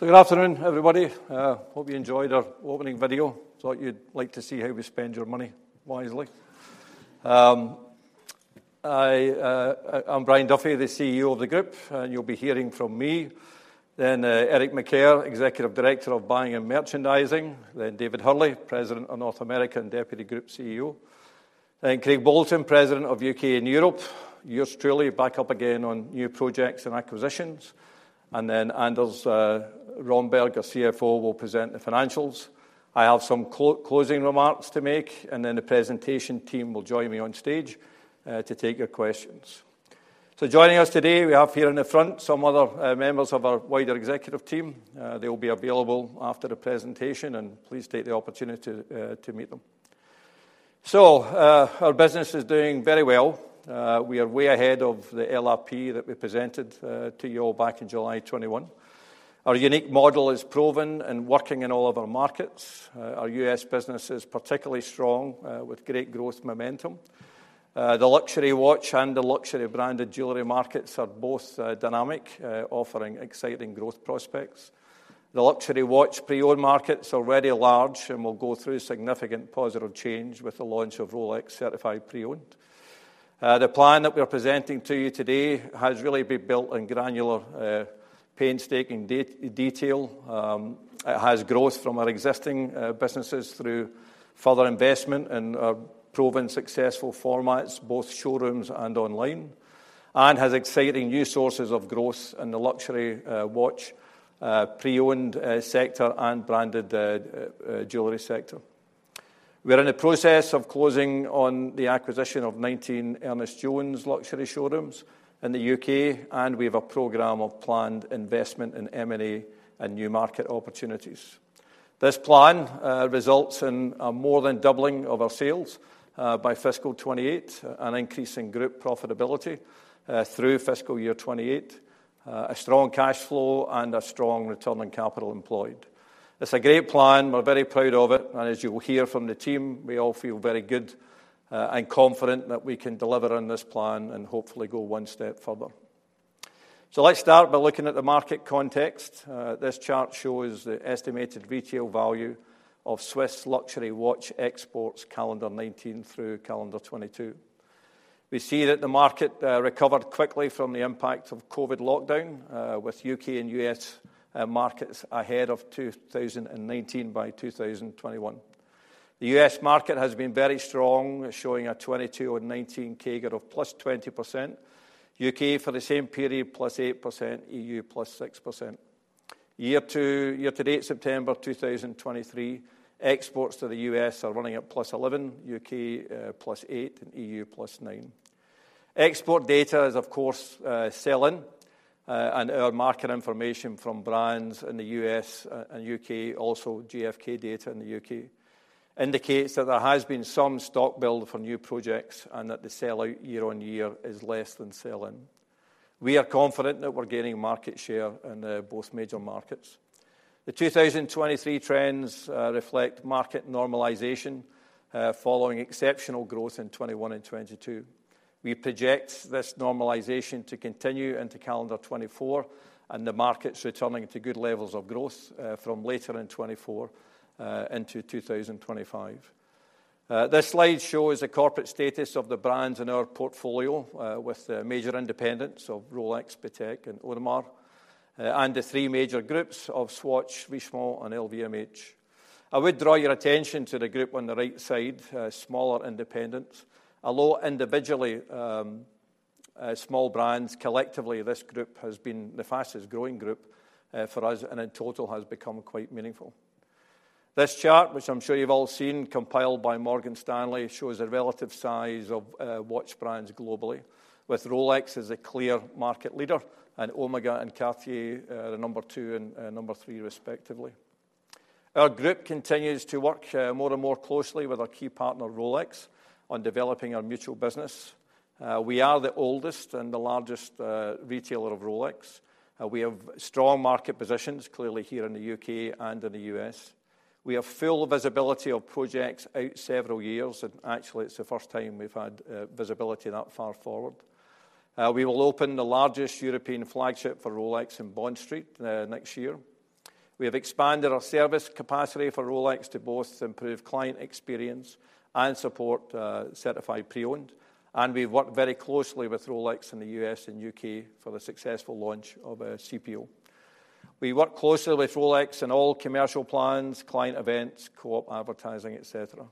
Good afternoon, everybody. Hope you enjoyed our opening video. Thought you'd like to see how we spend your money wisely. I'm Brian Duffy, the CEO of the Group, and you'll be hearing from me, then Eric Macaire, Executive Director of Buying and Merchandising, then David Hurley, President of North America and Deputy Group CEO, then Craig Bolton, President of U.K. and Europe. Yours truly, back up again on new projects and acquisitions, and then Anders Romberg, our CFO, will present the financials. I have some closing remarks to make, and then the presentation team will join me on stage to take your questions. Joining us today, we have here in the front some other members of our wider executive team. They will be available after the presentation, and please take the opportunity to meet them. So, our business is doing very well. We are way ahead of the LRP that we presented to you all back in July 2021. Our unique model is proven and working in all of our markets. Our U.S. business is particularly strong with great growth momentum. The luxury watch and the luxury branded jewelry markets are both dynamic, offering exciting growth prospects. The luxury watch pre-owned market is already large and will go through significant positive change with the launch of Rolex Certified Pre-Owned. The plan that we are presenting to you today has really been built on granular, painstaking detail. It has growth from our existing businesses through further investment in our proven successful formats, both showrooms and online, and has exciting new sources of growth in the luxury watch pre-owned sector and branded jewelry sector. We are in the process of closing on the acquisition of 19 Ernest Jones luxury showrooms in the U.K., and we have a program of planned investment in M&A and new market opportunities. This plan results in a more than doubling of our sales by fiscal 2028, an increase in group profitability through fiscal year 2028, a strong cash flow, and a strong return on capital employed. It's a great plan. We're very proud of it, and as you will hear from the team, we all feel very good and confident that we can deliver on this plan and hopefully go one step further. So let's start by looking at the market context. This chart shows the estimated retail value of Swiss luxury watch exports, calendar 2019 through calendar 2022. We see that the market recovered quickly from the impact of COVID lockdown, with U.K. and US markets ahead of 2019 by 2021. The US market has been very strong, showing a 2022 on 2019 CAGR of +20%. U.K., for the same period, +8%, EU +6%. Year to date, September 2023, exports to the U.S. are running at +11%, U.K. +8%, and EU +9%. Export data is, of course, sell-in, and our market information from brands in the U.S. and U.K., also GfK data in the U.K., indicates that there has been some stock build for new projects and that the sell-out year-on-year is less than sell-in. We are confident that we're gaining market share in both major markets. The 2023 trends reflect market normalization following exceptional growth in 2021 and 2022. We project this normalization to continue into calendar 2024, and the market's returning to good levels of growth from later in 2024 into 2025. This slide shows the corporate status of the brands in our portfolio, with the major independents of Rolex, Patek, and Audemars, and the three major groups of Swatch, Richemont, and LVMH. I would draw your attention to the group on the right side, smaller independents. Although individually, small brands, collectively, this group has been the fastest-growing group, for us, and in total has become quite meaningful. This chart, which I'm sure you've all seen, compiled by Morgan Stanley, shows the relative size of, watch brands globally, with Rolex as a clear market leader and Omega and Cartier, the number two and, number three, respectively. Our group continues to work, more and more closely with our key partner, Rolex, on developing our mutual business. We are the oldest and the largest, retailer of Rolex. We have strong market positions, clearly here in the U.K. and in the U.S. We have full visibility of projects out several years, and actually, it's the first time we've had, visibility that far forward. We will open the largest European flagship for Rolex in Bond Street next year. We have expanded our service capacity for Rolex to both improve client experience and support Certified Pre-Owned, and we work very closely with Rolex in the U.S. and U.K. for the successful launch of CPO. We work closely with Rolex in all commercial plans, client events, co-op advertising, et cetera.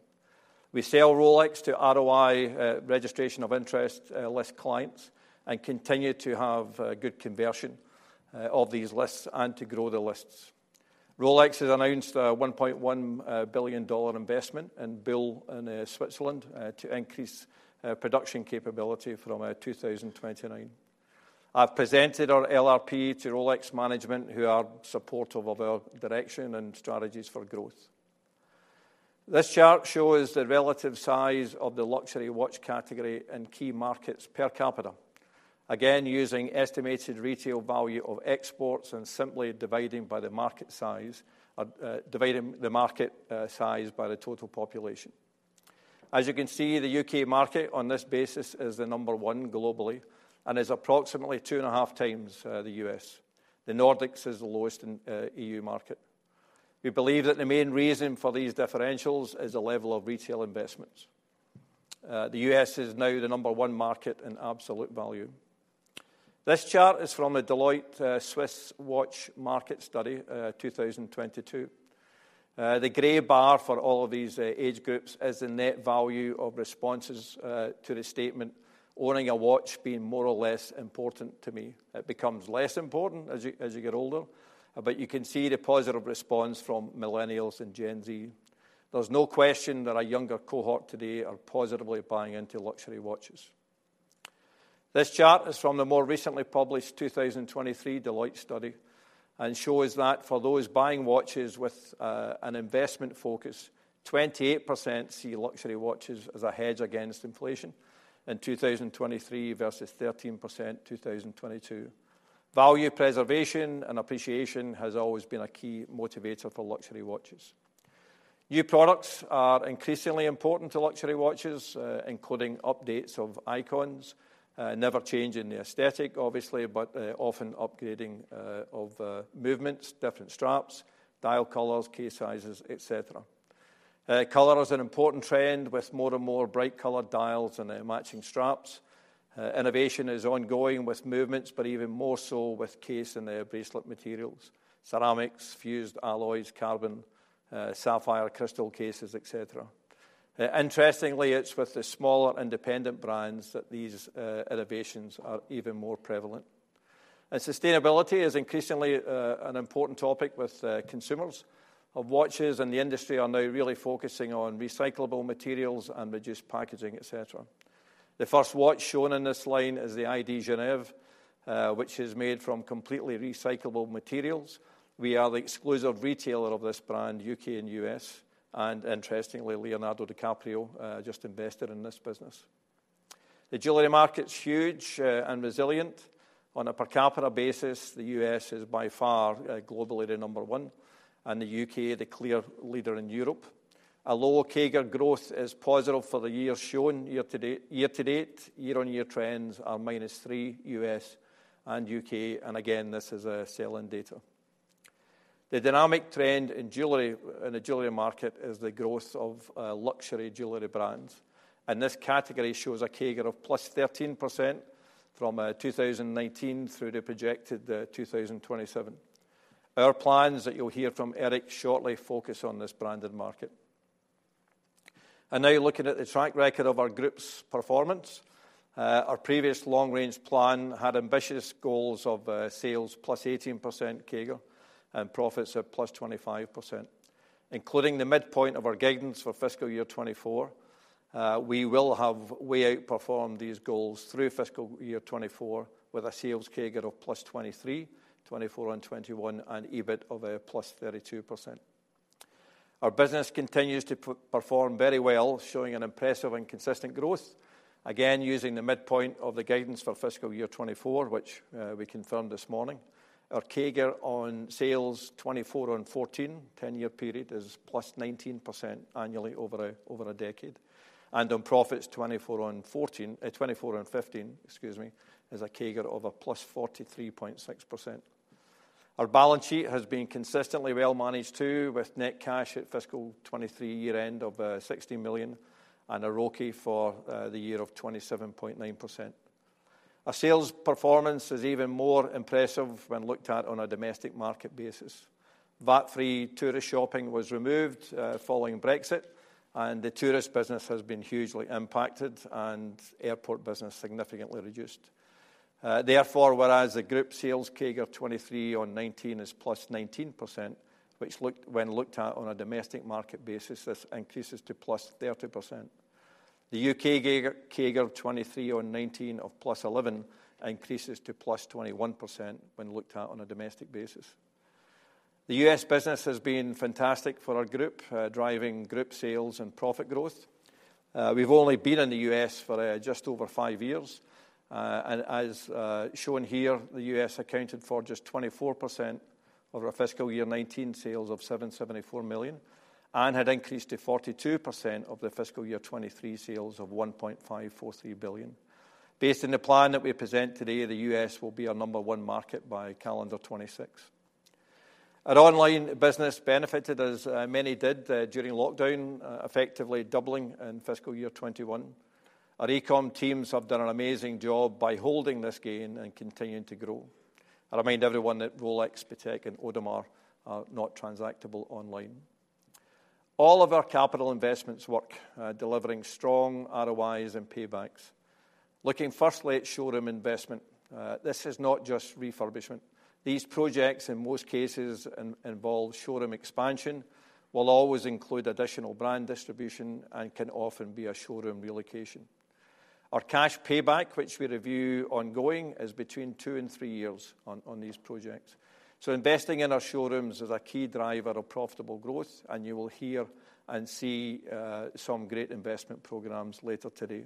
We sell Rolex to ROI Registration of Interest list clients, and continue to have good conversion of these lists and to grow the lists. Rolex has announced a $1.1 billion investment in Biel, in Switzerland, to increase production capability from 2029. I've presented our LRP to Rolex management, who are supportive of our direction and strategies for growth. This chart shows the relative size of the luxury watch category in key markets per capita. Again, using estimated retail value of exports and simply dividing the market size by the total population. As you can see, the UK market on this basis is the number one globally and is approximately 2.5x the U.S. The Nordics is the lowest in the EU market. We believe that the main reason for these differentials is the level of retail investments. The U.S. is now the number one market in absolute value. This chart is from the Deloitte Swiss Watch Market Study, 2022. The gray bar for all of these age groups is the net value of responses to the statement, "Owning a watch being more or less important to me." It becomes less important as you, as you get older, but you can see the positive response from Millennials and Gen Z. There's no question that our younger cohort today are positively buying into luxury watches. This chart is from the more recently published 2023 Deloitte study and shows that for those buying watches with an investment focus, 28% see luxury watches as a hedge against inflation in 2023 versus 13%, 2022. Value preservation and appreciation has always been a key motivator for luxury watches. New products are increasingly important to luxury watches, including updates of icons, never changing the aesthetic, obviously, but often upgrading of movements, different straps, dial colors, case sizes, et cetera. Color is an important trend with more and more bright color dials and matching straps. Innovation is ongoing with movements, but even more so with case and the bracelet materials: ceramics, fused alloys, carbon, sapphire, crystal cases, et cetera. Interestingly, it's with the smaller independent brands that these innovations are even more prevalent. Sustainability is increasingly an important topic with consumers of watches, and the industry are now really focusing on recyclable materials and reduced packaging, et cetera. The first watch shown in this line is the ID Genève, which is made from completely recyclable materials. We are the exclusive retailer of this brand, U.K. and U.S., and interestingly, Leonardo DiCaprio just invested in this business. The jewelry market's huge and resilient. On a per capita basis, the U.S. is by far globally the number one, and the U.K., the clear leader in Europe. A low CAGR growth is positive for the years shown year to date. Year-on-year trends are -3 U.S. and U.K., and again, this is sell-in data. The dynamic trend in jewelry, in the jewelry market is the growth of luxury jewelry brands, and this category shows a CAGR of +13% from 2019 through the projected 2027. Our plans that you'll hear from Eric shortly focus on this branded market. And now you're looking at the track record of Our group's performance. Our previous long-range plan had ambitious goals of sales +18% CAGR and profits of +25%, including the midpoint of our guidance for fiscal year 2024. We will have way outperformed these goals through fiscal year 2024, with a sales CAGR of +23%, 2024 on 2021, and EBIT of a +32%. Our business continues to perform very well, showing an impressive and consistent growth. Again, using the midpoint of the guidance for fiscal year 2024, which we confirmed this morning, our CAGR on sales, 2024 on 2014, ten-year period, is +19% annually over a decade, and on profits, 2024 on 2014, 2024 on 2015, excuse me, is a CAGR of a +43.6%. Our balance sheet has been consistently well managed, too, with net cash at fiscal 2023 year end of 60 million and a ROCE for the year of 27.9%. Our sales performance is even more impressive when looked at on a domestic market basis. VAT-free tourist shopping was removed following Brexit, and the tourist business has been hugely impacted and airport business significantly reduced. Therefore, whereas the group sales CAGR 2023 on 2019 is +19%, which, when looked at on a domestic market basis, this increases to +30%. The U.K. CAGR of 2023 on 2019 of +11% increases to +21% when looked at on a domestic basis. The U.S. business has been fantastic for our group, driving Group sales and profit growth. We've only been in the U.S. for just over five years, and as shown here, the U.S. accounted for just 24% of our fiscal year 2019 sales of 774 million and had increased to 42% of the fiscal year 2023 sales of 1.543 billion. Based on the plan that we present today, the U.S. will be our number one market by calendar 2026. Our online business benefited, as many did, during lockdown, effectively doubling in fiscal year 2021. Our e-com teams have done an amazing job by holding this gain and continuing to grow. I remind everyone that Rolex, Patek, and Audemars are not transactable online. All of our capital investments work, delivering strong ROIs and paybacks. Looking firstly at showroom investment, this is not just refurbishment. These projects, in most cases, involve showroom expansion, will always include additional brand distribution and can often be a showroom relocation. Our cash payback, which we review ongoing, is between two and three years on these projects. So investing in our showrooms is a key driver of profitable growth, and you will hear and see some great investment programs later today.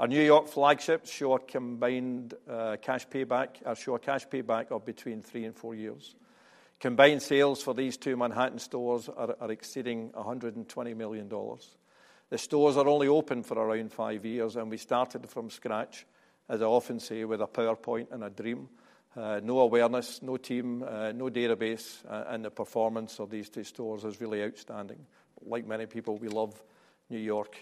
Our New York flagship shows a combined cash payback of between three and four years. Combined sales for these two Manhattan stores are exceeding $120 million. The stores are only open for around five years, and we started from scratch, as I often say, with a PowerPoint and a dream. No awareness, no team, no database, and the performance of these two stores is really outstanding. Like many people, we love New York.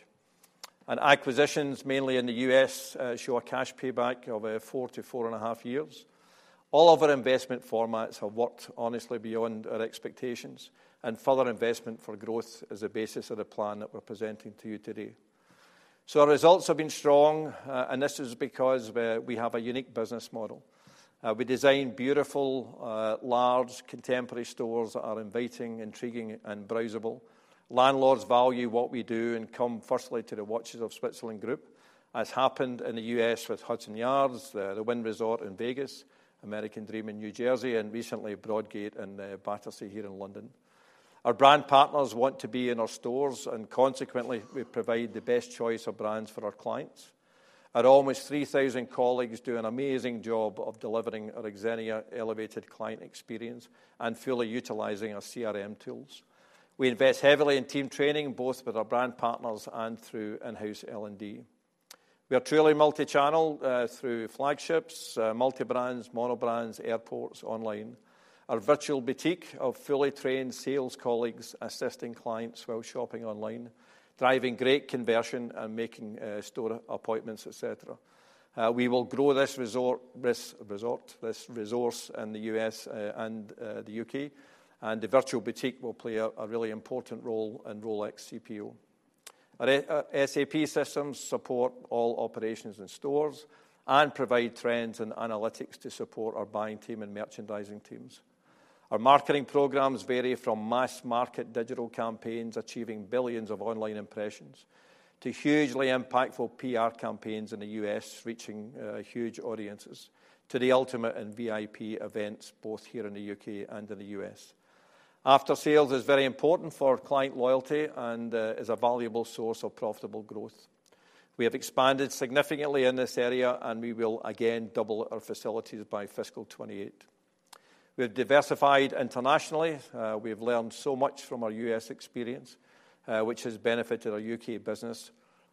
And acquisitions, mainly in the U.S., show a cash payback of four to four point five years. All of our investment formats have worked, honestly, beyond our expectations, and further investment for growth is the basis of the plan that we're presenting to you today. So our results have been strong, and this is because we have a unique business model. We design beautiful large, contemporary stores that are inviting, intriguing, and browsable. Landlords value what we do and come firstly to the Watches of Switzerland Group, as happened in the U.S. with Hudson Yards, the Wynn Resort in Vegas, American Dream in New Jersey, and recently Broadgate and Battersea here in London. Our brand partners want to be in our stores, and consequently, we provide the best choice of brands for our clients. Our almost 3,000 colleagues do an amazing job of delivering our Xenia elevated client experience and fully utilizing our CRM tools. We invest heavily in team training, both with our brand partners and through in-house L&D. We are truly multi-channel through flagships, multi-brands, monobrands, airports, online. Our Virtual Boutique of fully trained sales colleagues assisting clients while shopping online, driving great conversion and making store appointments, et cetera. We will grow this resource in the U.S., and the U.K., and the Virtual Boutique will play a really important role in Rolex CPO. Our SAP systems support all operations in stores and provide trends and analytics to support our buying team and merchandising teams. Our marketing programs vary from mass market digital campaigns achieving billions of online impressions, to hugely impactful PR campaigns in the U.S., reaching huge audiences, to the ultimate in VIP events, both here in the U.K. and in the U.S. After sales is very important for client loyalty and is a valuable source of profitable growth. We have expanded significantly in this area, and we will again double our facilities by fiscal 2028. We have diversified internationally. We have learned so much from our U.S. experience, which has benefited our U.K. business,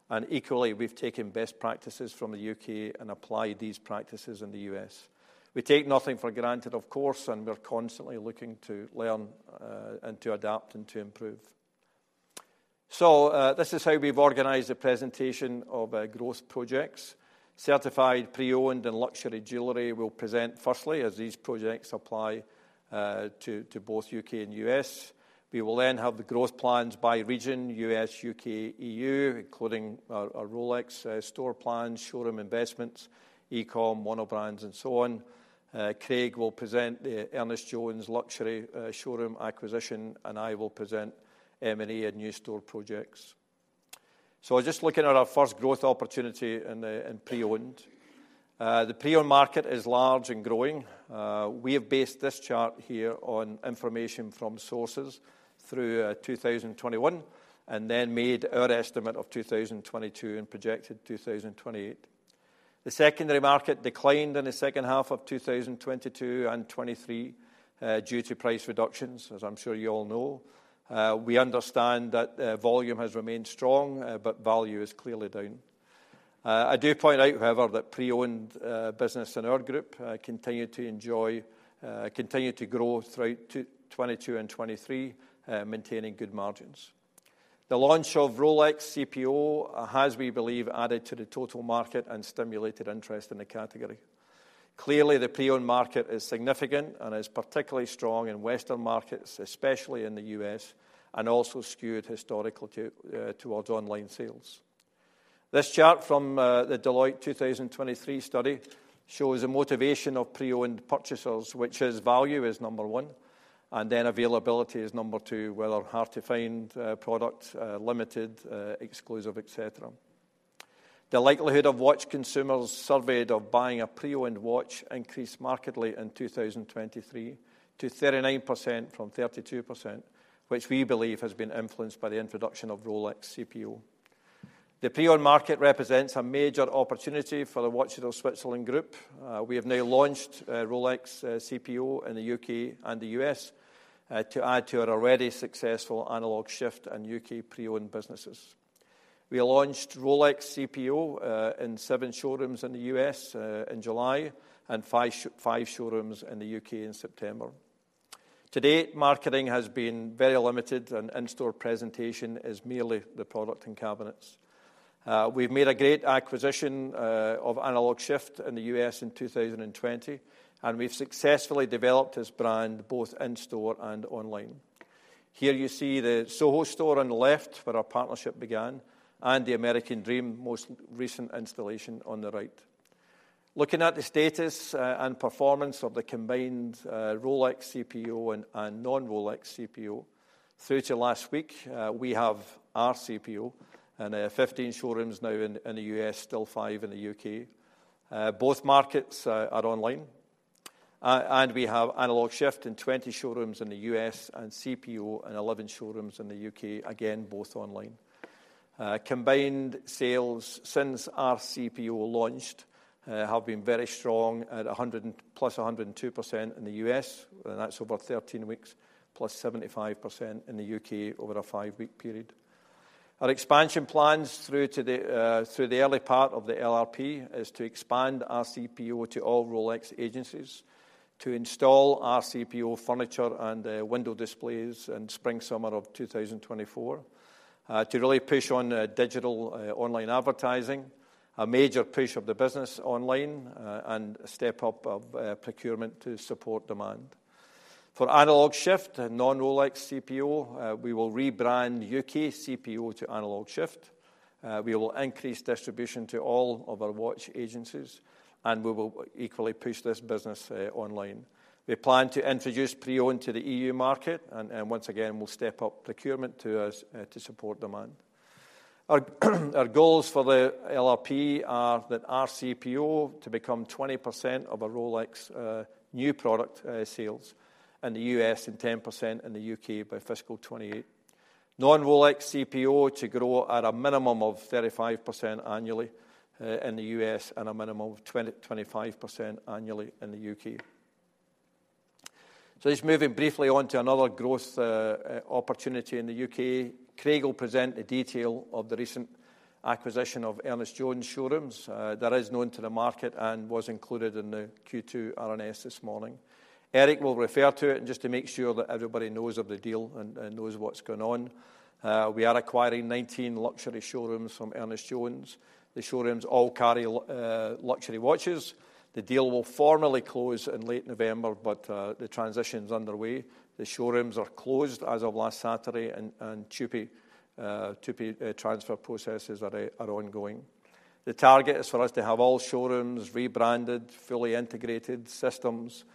and equally, we've taken best practices from the U.K. and applied these practices in the U.S. We take nothing for granted, of course, and we're constantly looking to learn and to adapt and to improve. So this is how we've organized the presentation of our growth projects. Certified pre-owned and luxury jewelry we'll present firstly, as these projects apply to both U.K. and U.S. We will then have the growth plans by region, U.S., U.K., EU, including our Rolex store plans, showroom investments, e-com, monobrands, and so on. Craig will present the Ernest Jones luxury showroom acquisition, and I will present M&A and new store projects. So just looking at our first growth opportunity in pre-owned. The pre-owned market is large and growing. We have based this chart here on information from sources through 2021, and then made our estimate of 2022 and projected 2028. The secondary market declined in the second half of 2022 and 2023 due to price reductions, as I'm sure you all know. We understand that volume has remained strong, but value is clearly down. I do point out, however, that pre-owned business in our group continued to enjoy continued to grow throughout 2022 and 2023, maintaining good margins. The launch of Rolex CPO has, we believe, added to the total market and stimulated interest in the category. Clearly, the pre-owned market is significant and is particularly strong in Western markets, especially in the U.S., and also skewed historically to towards online sales. This chart from the Deloitte 2023 study shows the motivation of pre-owned purchasers, which is value is number one, and then availability is number two, whether hard-to-find products, limited, exclusive, et cetera. The likelihood of watch consumers surveyed of buying a pre-owned watch increased markedly in 2023 to 39% from 32%, which we believe has been influenced by the introduction of Rolex CPO. The pre-owned market represents a major opportunity for the Watches of Switzerland Group. We have now launched Rolex CPO in the U.K. and the U.S. to add to our already successful Analog Shift and U.K. pre-owned businesses. We launched Rolex CPO in seven showrooms in the U.S. in July, and five showrooms in the U.K. in September. To date, marketing has been very limited, and in-store presentation is merely the product and cabinets. We've made a great acquisition of Analog Shift in the U.S. in 2020, and we've successfully developed this brand both in-store and online. Here you see the SoHo store on the left, where our partnership began, and the American Dream most recent installation on the right. Looking at the status and performance of the combined Rolex CPO and non-Rolex CPO through to last week, we have our CPO in 15 showrooms now in the U.S., still five in the U.K. Both markets are online and we have Analog Shift in 20 showrooms in the U.S., and CPO in 11 showrooms in the U.K., again, both online. Combined sales since our CPO launched have been very strong at +102% in the U.S., and that's over 13 weeks, +75% in the U.K. over a 5-week period. Our expansion plans through to the early part of the LRP is to expand our CPO to all Rolex agencies, to install our CPO furniture and window displays in spring/summer of 2024, to really push on digital online advertising, a major push of the business online, and a step-up of procurement to support demand. For Analog Shift and non-Rolex CPO, we will rebrand UK CPO to Analog Shift. We will increase distribution to all of our watch agencies, and we will equally push this business online. We plan to introduce pre-owned to the EU market and once again, we'll step up procurement to us to support demand. Our goals for the LRP are that our CPO to become 20% of our Rolex new product sales in the U.S. and 10% in the U.K. by fiscal 2028. Non-Rolex CPO to grow at a minimum of 35% annually in the U.S., and a minimum of 25% annually in the U.K. Just moving briefly on to another growth opportunity in the U.K. Craig will present the detail of the recent acquisition of Ernest Jones showrooms. That is known to the market and was included in the Q2 RNS this morning. Eric will refer to it just to make sure that everybody knows of the deal and knows what's going on. We are acquiring 19 luxury showrooms from Ernest Jones. The showrooms all carry luxury watches. The deal will formally close in late November, but the transition is underway. The showrooms are closed as of last Saturday, and TUPE transfer processes are ongoing. The target is for us to have all showrooms rebranded, fully integrated systems,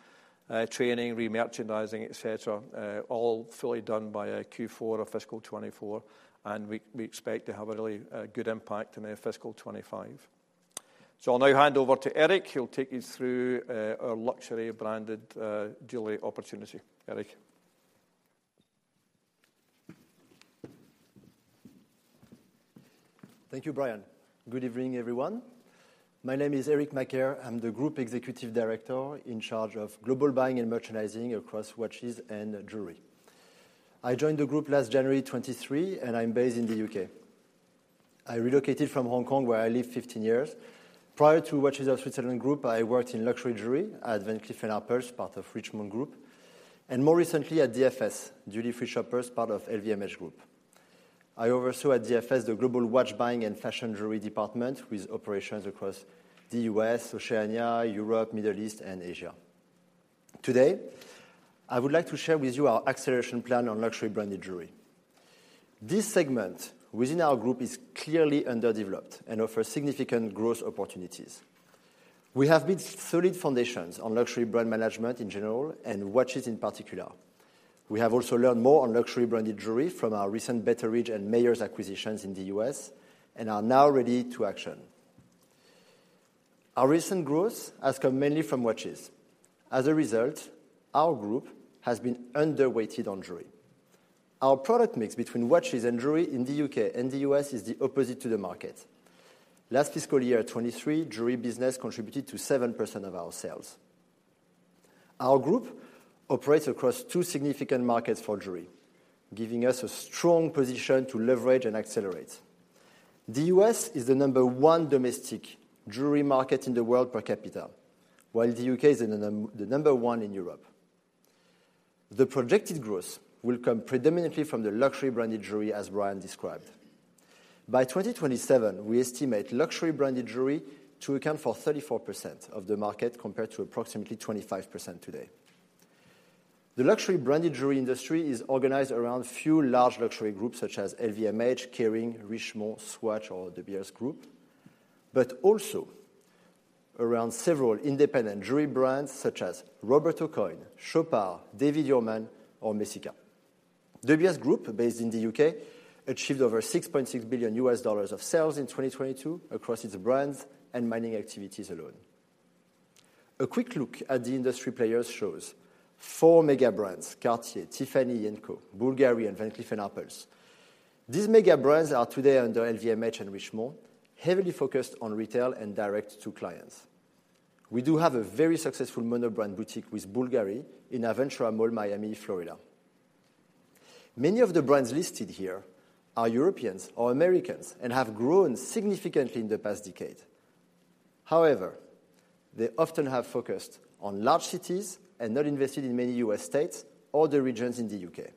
training, remerchandising, et cetera, all fully done by Q4 of fiscal 2024, and we expect to have a really good impact in the fiscal 2025. So I'll now hand over to Eric, who'll take you through our luxury branded jewelry opportunity. Eric? Thank you, Brian. Good evening, everyone. My name is Eric Macaire. I'm the Group Executive Director in charge of global buying and merchandising across watches and jewelry. I joined the group last January 2023, and I'm based in the U.K. I relocated from Hong Kong, where I lived 15 years. Prior to Watches of Switzerland Group, I worked in luxury jewelry at Van Cleef & Arpels, part of Richemont Group, and more recently at DFS, Duty Free Shoppers, part of LVMH Group. I oversaw at DFS, the global watch buying and fashion jewelry department, with operations across the U.S., Oceania, Europe, Middle East, and Asia. Today, I would like to share with you our acceleration plan on luxury branded jewelry. This segment within our group is clearly underdeveloped and offers significant growth opportunities. We have built solid foundations on luxury brand management in general and watches in particular. We have also learned more on luxury branded jewelry from our recent Betteridge and Mayors acquisitions in the U.S. and are now ready to action. Our recent growth has come mainly from watches. As a result, our group has been underweighted on jewelry. Our product mix between watches and jewelry in the U.K. and the U.S. is the opposite to the market. Last fiscal year, 2023, jewelry business contributed to 7% of our sales. Our group operates across two significant markets for jewelry, giving us a strong position to leverage and accelerate. The U.S. is the number one domestic jewelry market in the world per capita, while the U.K. is the number one in Europe. The projected growth will come predominantly from the luxury branded jewelry, as Brian described. By 2027, we estimate luxury branded jewelry to account for 34% of the market, compared to approximately 25% today. The luxury branded jewelry industry is organized around few large luxury groups such as LVMH, Kering, Richemont, Swatch, or De Beers Group, but also around several independent jewelry brands such as Roberto Coin, Chopard, David Yurman, or Messika. De Beers Group, based in the U.K., achieved over $6.6 billion of sales in 2022 across its brands and mining activities alone. A quick look at the industry players shows four mega brands, Cartier, Tiffany & Co., Bulgari, and Van Cleef & Arpels. These mega brands are today under LVMH and Richemont, heavily focused on retail and direct to clients. We do have a very successful mono-brand boutique with Bulgari in Aventura Mall, Miami, Florida. Many of the brands listed here are Europeans or Americans and have grown significantly in the past decade. However, they often have focused on large cities and not invested in many U.S. states or the regions in the U.K.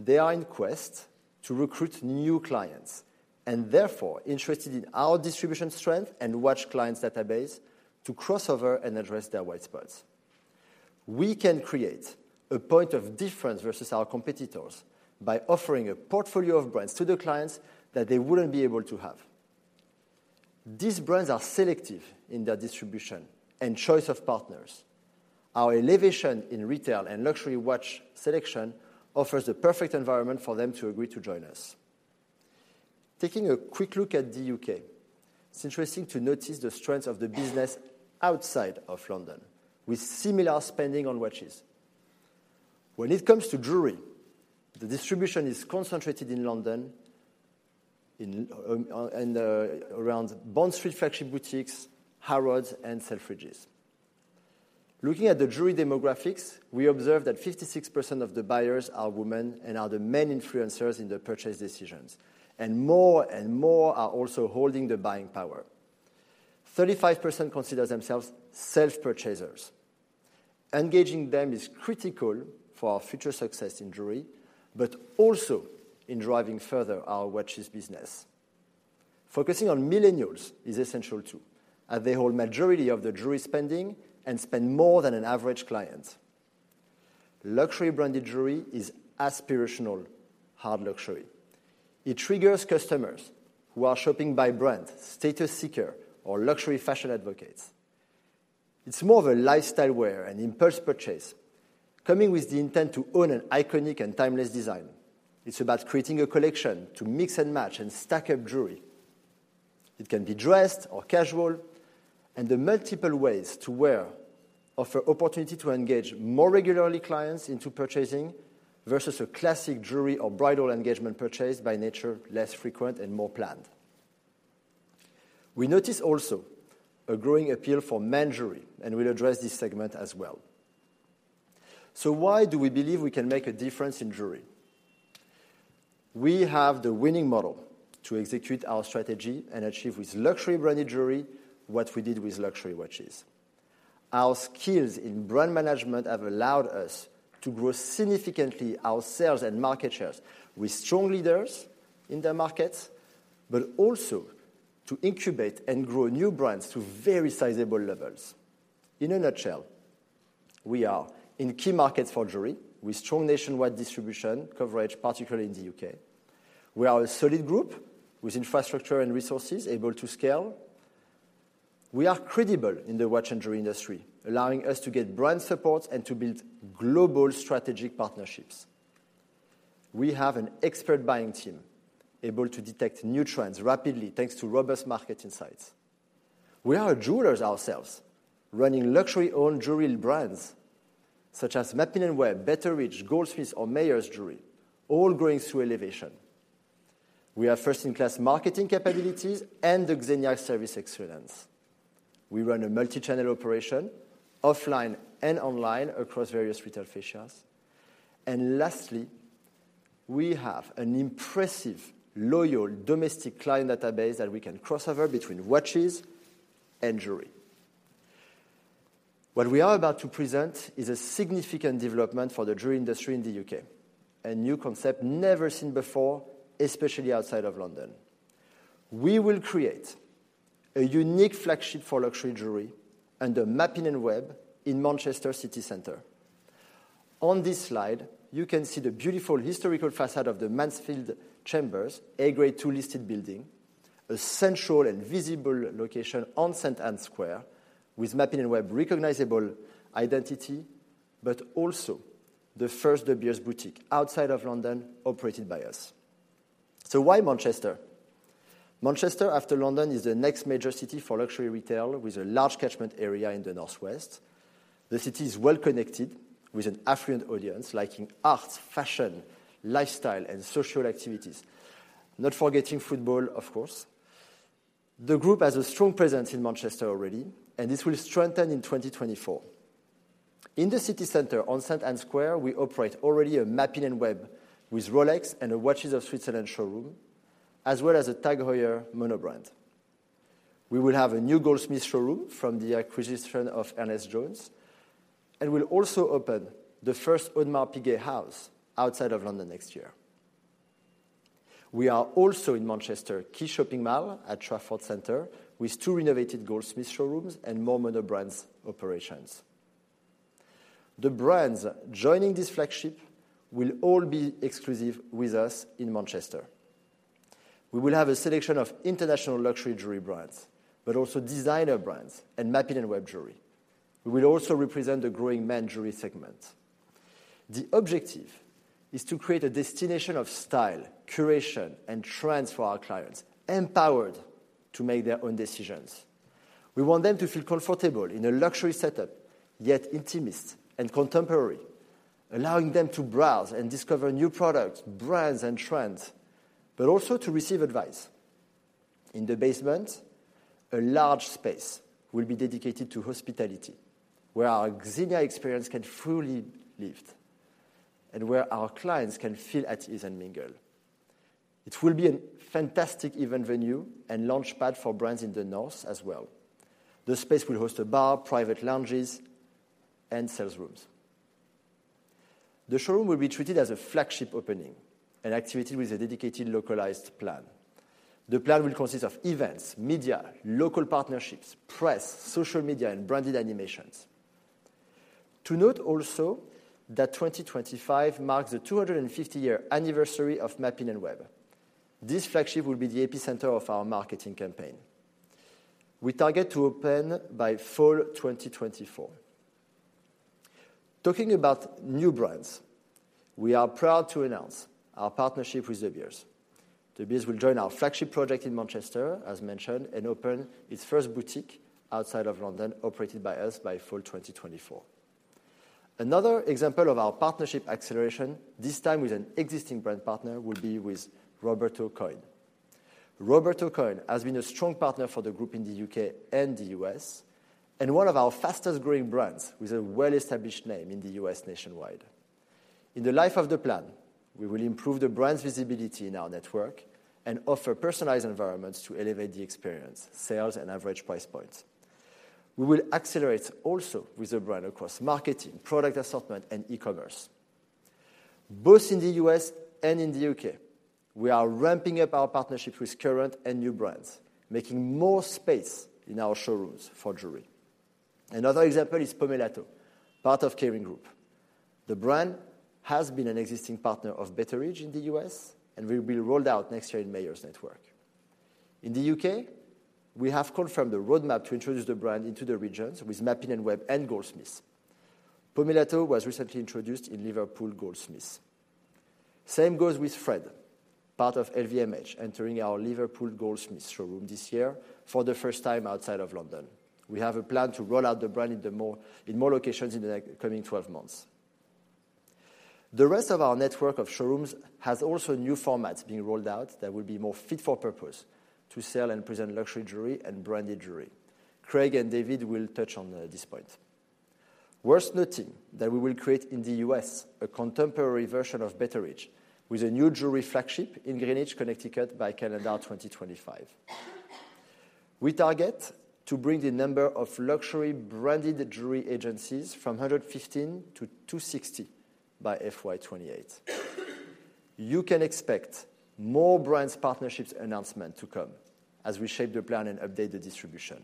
They are in quest to recruit new clients and therefore interested in our distribution strength and watch clients database to cross over and address their white spots. We can create a point of difference versus our competitors by offering a portfolio of brands to the clients that they wouldn't be able to have. These brands are selective in their distribution and choice of partners. Our elevation in retail and luxury watch selection offers the perfect environment for them to agree to join us. Taking a quick look at the U.K., it's interesting to notice the strength of the business outside of London, with similar spending on watches. When it comes to jewelry, the distribution is concentrated in London, in and around Bond Street flagship boutiques, Harrods and Selfridges. Looking at the jewelry demographics, we observe that 56% of the buyers are women and are the main influencers in the purchase decisions, and more and more are also holding the buying power. 35% consider themselves self-purchasers. Engaging them is critical for our future success in jewelry, but also in driving further our watches business. Focusing on millennials is essential, too, as they hold majority of the jewelry spending and spend more than an average client. Luxury branded jewelry is aspirational, hard luxury. It triggers customers who are shopping by brand, status seeker, or luxury fashion advocates. It's more of a lifestyle wear and impulse purchase, coming with the intent to own an iconic and timeless design. It's about creating a collection to mix and match and stack up jewelry. It can be dressed or casual, and the multiple ways to wear offer opportunity to engage more regularly clients into purchasing versus a classic jewelry or bridal engagement purchase by nature, less frequent and more planned. We notice also a growing appeal for men jewelry, and we'll address this segment as well. Why do we believe we can make a difference in jewelry? We have the winning model to execute our strategy and achieve with luxury branded jewelry what we did with luxury watches. Our skills in brand management have allowed us to grow significantly our sales and market shares with strong leaders in the markets, but also to incubate and grow new brands to very sizable levels. In a nutshell, we are in key markets for jewelry, with strong nationwide distribution coverage, particularly in the U.K. We are a solid group with infrastructure and resources able to scale. We are credible in the watch and jewelry industry, allowing us to get brand support and to build global strategic partnerships. We have an expert buying team able to detect new trends rapidly, thanks to robust market insights. We are jewelers ourselves, running luxury-owned jewelry brands such as Mappin & Webb, Betteridge, Goldsmiths, or Mayors Jewelry, all growing through elevation. We have first-in-class marketing capabilities and the Xenia service excellence. We run a multi-channel operation, offline and online, across various retail fascias. And lastly, we have an impressive, loyal, domestic client database that we can crossover between watches and jewelry. What we are about to present is a significant development for the jewelry industry in the U.K., a new concept never seen before, especially outside of London. We will create a unique flagship for luxury jewelry and a Mappin & Webb in Manchester city center. On this slide, you can see the beautiful historical facade of the Mansfield Chambers, Grade II-listed building, a central and visible location on St Ann's Square with Mappin & Webb recognizable identity, but also the first De Beers boutique outside of London, operated by us. So why Manchester? Manchester, after London, is the next major city for luxury retail, with a large catchment area in the Northwest. The city is well connected with an affluent audience, liking arts, fashion, lifestyle, and social activities. Not forgetting football, of course. The group has a strong presence in Manchester already, and this will strengthen in 2024. In the city center on St Ann's Square, we operate already a Mappin & Webb with Rolex and a Watches of Switzerland showroom, as well as a TAG Heuer monobrand. We will have a new Goldsmiths showroom from the acquisition of Ernest Jones, and we'll also open the first Audemars Piguet House outside of London next year. We are also in Manchester, key shopping mall at Trafford Centre, with two renovated Goldsmiths showrooms and more monobrand operations. The brands joining this flagship will all be exclusive with us in Manchester. We will have a selection of international luxury jewelry brands, but also designer brands and Mappin & Webb jewelry. We will also represent the growing men jewelry segment. The objective is to create a destination of style, curation, and trends for our clients, empowered to make their own decisions. We want them to feel comfortable in a luxury setup, yet intimist and contemporary, allowing them to browse and discover new products, brands, and trends, but also to receive advice. In the basement, a large space will be dedicated to hospitality, where our Xenia experience can be fully lived and where our clients can feel at ease and mingle. It will be a fantastic event venue and launchpad for brands in the North as well. The space will host a bar, private lounges, and sales rooms. The showroom will be treated as a flagship opening, an activity with a dedicated, localized plan. The plan will consist of events, media, local partnerships, press, social media, and branded animations. To note also that 2025 marks the 250-year anniversary of Mappin & Webb. This flagship will be the epicenter of our marketing campaign. We target to open by fall 2024. Talking about new brands, we are proud to announce our partnership with De Beers. De Beers will join our flagship project in Manchester, as mentioned, and open its first boutique outside of London, operated by us, by fall 2024. Another example of our partnership acceleration, this time with an existing brand partner, will be with Roberto Coin. Roberto Coin has been a strong partner for the group in the U.K. and the U.S., and one of our fastest-growing brands with a well-established name in the U.S. nationwide. In the life of the plan, we will improve the brand's visibility in our network and offer personalized environments to elevate the experience, sales, and average price points. We will accelerate also with the brand across marketing, product assortment, and e-commerce. Both in the U.S. and in the U.K., we are ramping up our partnerships with current and new brands, making more space in our showrooms for jewelry. Another example is Pomellato, part of Kering Group. The brand has been an existing partner of Betteridge in the U.S. and will be rolled out next year in Mayors network. In the U.K., we have confirmed the roadmap to introduce the brand into the regions with Mappin & Webb and Goldsmiths. Pomellato was recently introduced in Liverpool Goldsmiths. Same goes with Fred, part of LVMH, entering our Liverpool Goldsmiths showroom this year for the first time outside of London. We have a plan to roll out the brand in more locations in the next coming 12 months. The rest of our network of showrooms has also new formats being rolled out that will be more fit for purpose to sell and present luxury jewelry and branded jewelry. Craig and David will touch on this point. Worth noting that we will create in the U.S. a contemporary version of Betteridge with a new jewelry flagship in Greenwich, Connecticut, by calendar 2025. We target to bring the number of luxury branded jewelry agencies from 115 to 260 by FY 2028. You can expect more brands partnerships announcement to come as we shape the plan and update the distribution.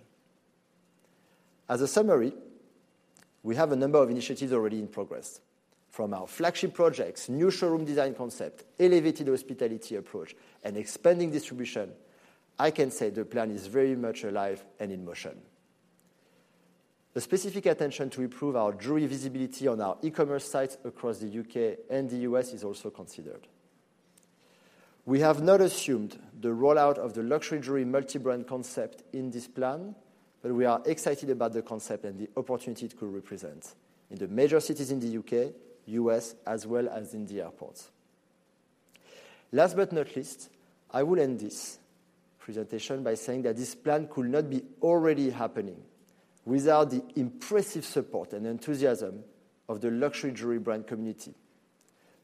As a summary, we have a number of initiatives already in progress. From our flagship projects, new showroom design concept, elevated hospitality approach, and expanding distribution, I can say the plan is very much alive and in motion. A specific attention to improve our jewelry visibility on our e-commerce sites across the U.K. and the U.S. is also considered. We have not assumed the rollout of the luxury jewelry multi-brand concept in this plan, but we are excited about the concept and the opportunity it could represent in the major cities in the U.K., U.S., as well as in the airports. Last but not least, I will end this presentation by saying that this plan could not be already happening without the impressive support and enthusiasm of the luxury jewelry brand community,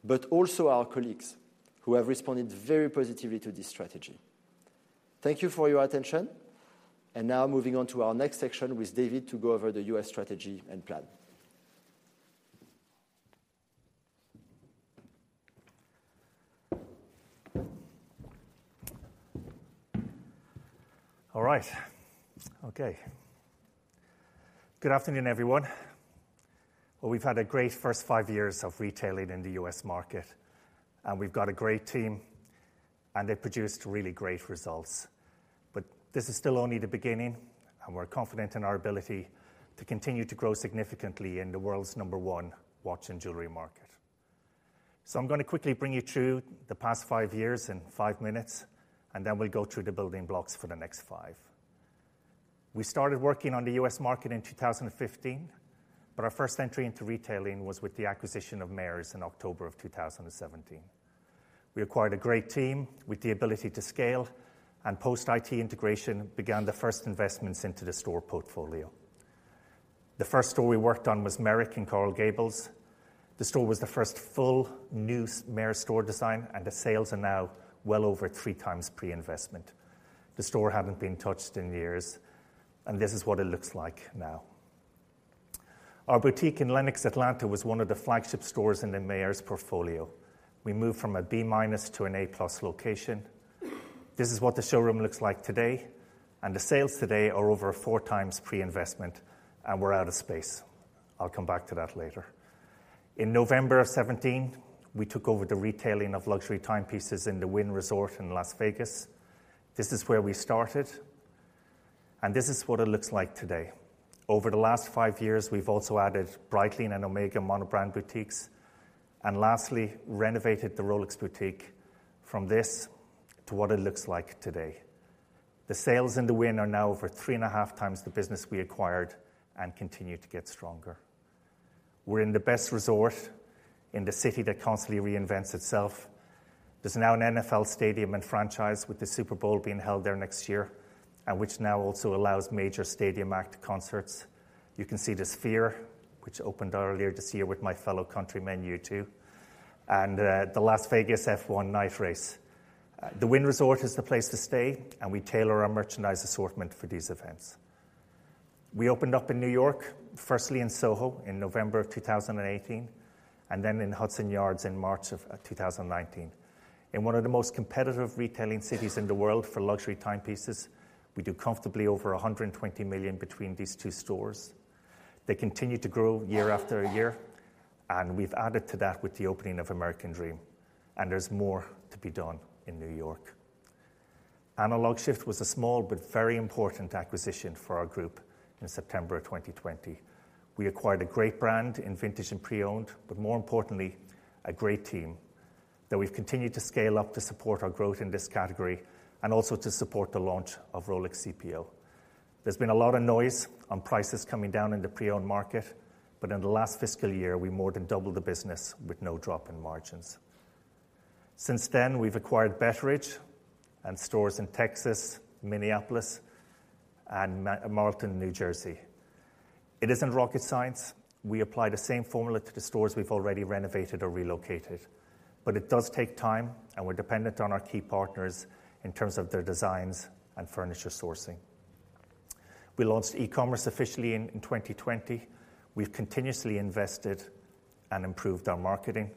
but also our colleagues, who have responded very positively to this strategy. Thank you for your attention. Now moving on to our next section with David to go over the U.S. strategy and plan. All right. Okay. Good afternoon, everyone. Well, we've had a great first five years of retailing in the US market, and we've got a great team, and they've produced really great results. But this is still only the beginning, and we're confident in our ability to continue to grow significantly in the world's number one watch and jewelry market. So I'm gonna quickly bring you through the past five years in five minutes, and then we'll go through the building blocks for the next five. We started working on the US market in 2015, but our first entry into retailing was with the acquisition of Mayors in October of 2017. We acquired a great team with the ability to scale, and post-IT integration began the first investments into the store portfolio. The first store we worked on was Merrick Park in Coral Gables. The store was the first full new Mayors store design, and the sales are now well over three times pre-investment. The store hadn't been touched in years, and this is what it looks like now. Our boutique in Lenox, Atlanta, was one of the flagship stores in the Mayors portfolio. We moved from a B- to an A+ location. This is what the showroom looks like today, and the sales today are over four times pre-investment, and we're out of space. I'll come back to that later. In November of 2017, we took over the retailing of luxury timepieces in the Wynn Resort in Las Vegas. This is where we started, and this is what it looks like today. Over the last five years, we've also added Breitling and Omega monobrand boutiques, and lastly, renovated the Rolex boutique from this to what it looks like today. The sales in the Wynn are now over 3.5x the business we acquired and continue to get stronger. We're in the best resort in the city that constantly reinvents itself. There's now an NFL stadium and franchise, with the Super Bowl being held there next year, and which now also allows major stadium act concerts. You can see the Sphere, which opened earlier this year with my fellow countryman, U2, and the Las Vegas F1 Night Race. The Wynn Resort is the place to stay, and we tailor our merchandise assortment for these events. We opened up in New York, firstly in SoHo in November 2018, and then in Hudson Yards in March 2019. In one of the most competitive retailing cities in the world for luxury timepieces, we do comfortably over $120 million between these two stores. They continue to grow year-after- year, and we've added to that with the opening of American Dream, and there's more to be done in New York. Analog Shift was a small but very important acquisition for our group in September of 2020. We acquired a great brand in vintage and pre-owned, but more importantly, a great team, that we've continued to scale up to support our growth in this category and also to support the launch of Rolex CPO. There's been a lot of noise on prices coming down in the pre-owned market, but in the last fiscal year, we more than doubled the business with no drop in margins. Since then, we've acquired Betteridge and stores in Texas, Minneapolis, and Marlton, New Jersey. It isn't rocket science. We apply the same formula to the stores we've already renovated or relocated, but it does take time, and we're dependent on our key partners in terms of their designs and furniture sourcing. We launched e-commerce officially in 2020. We've continuously invested and improved our marketing,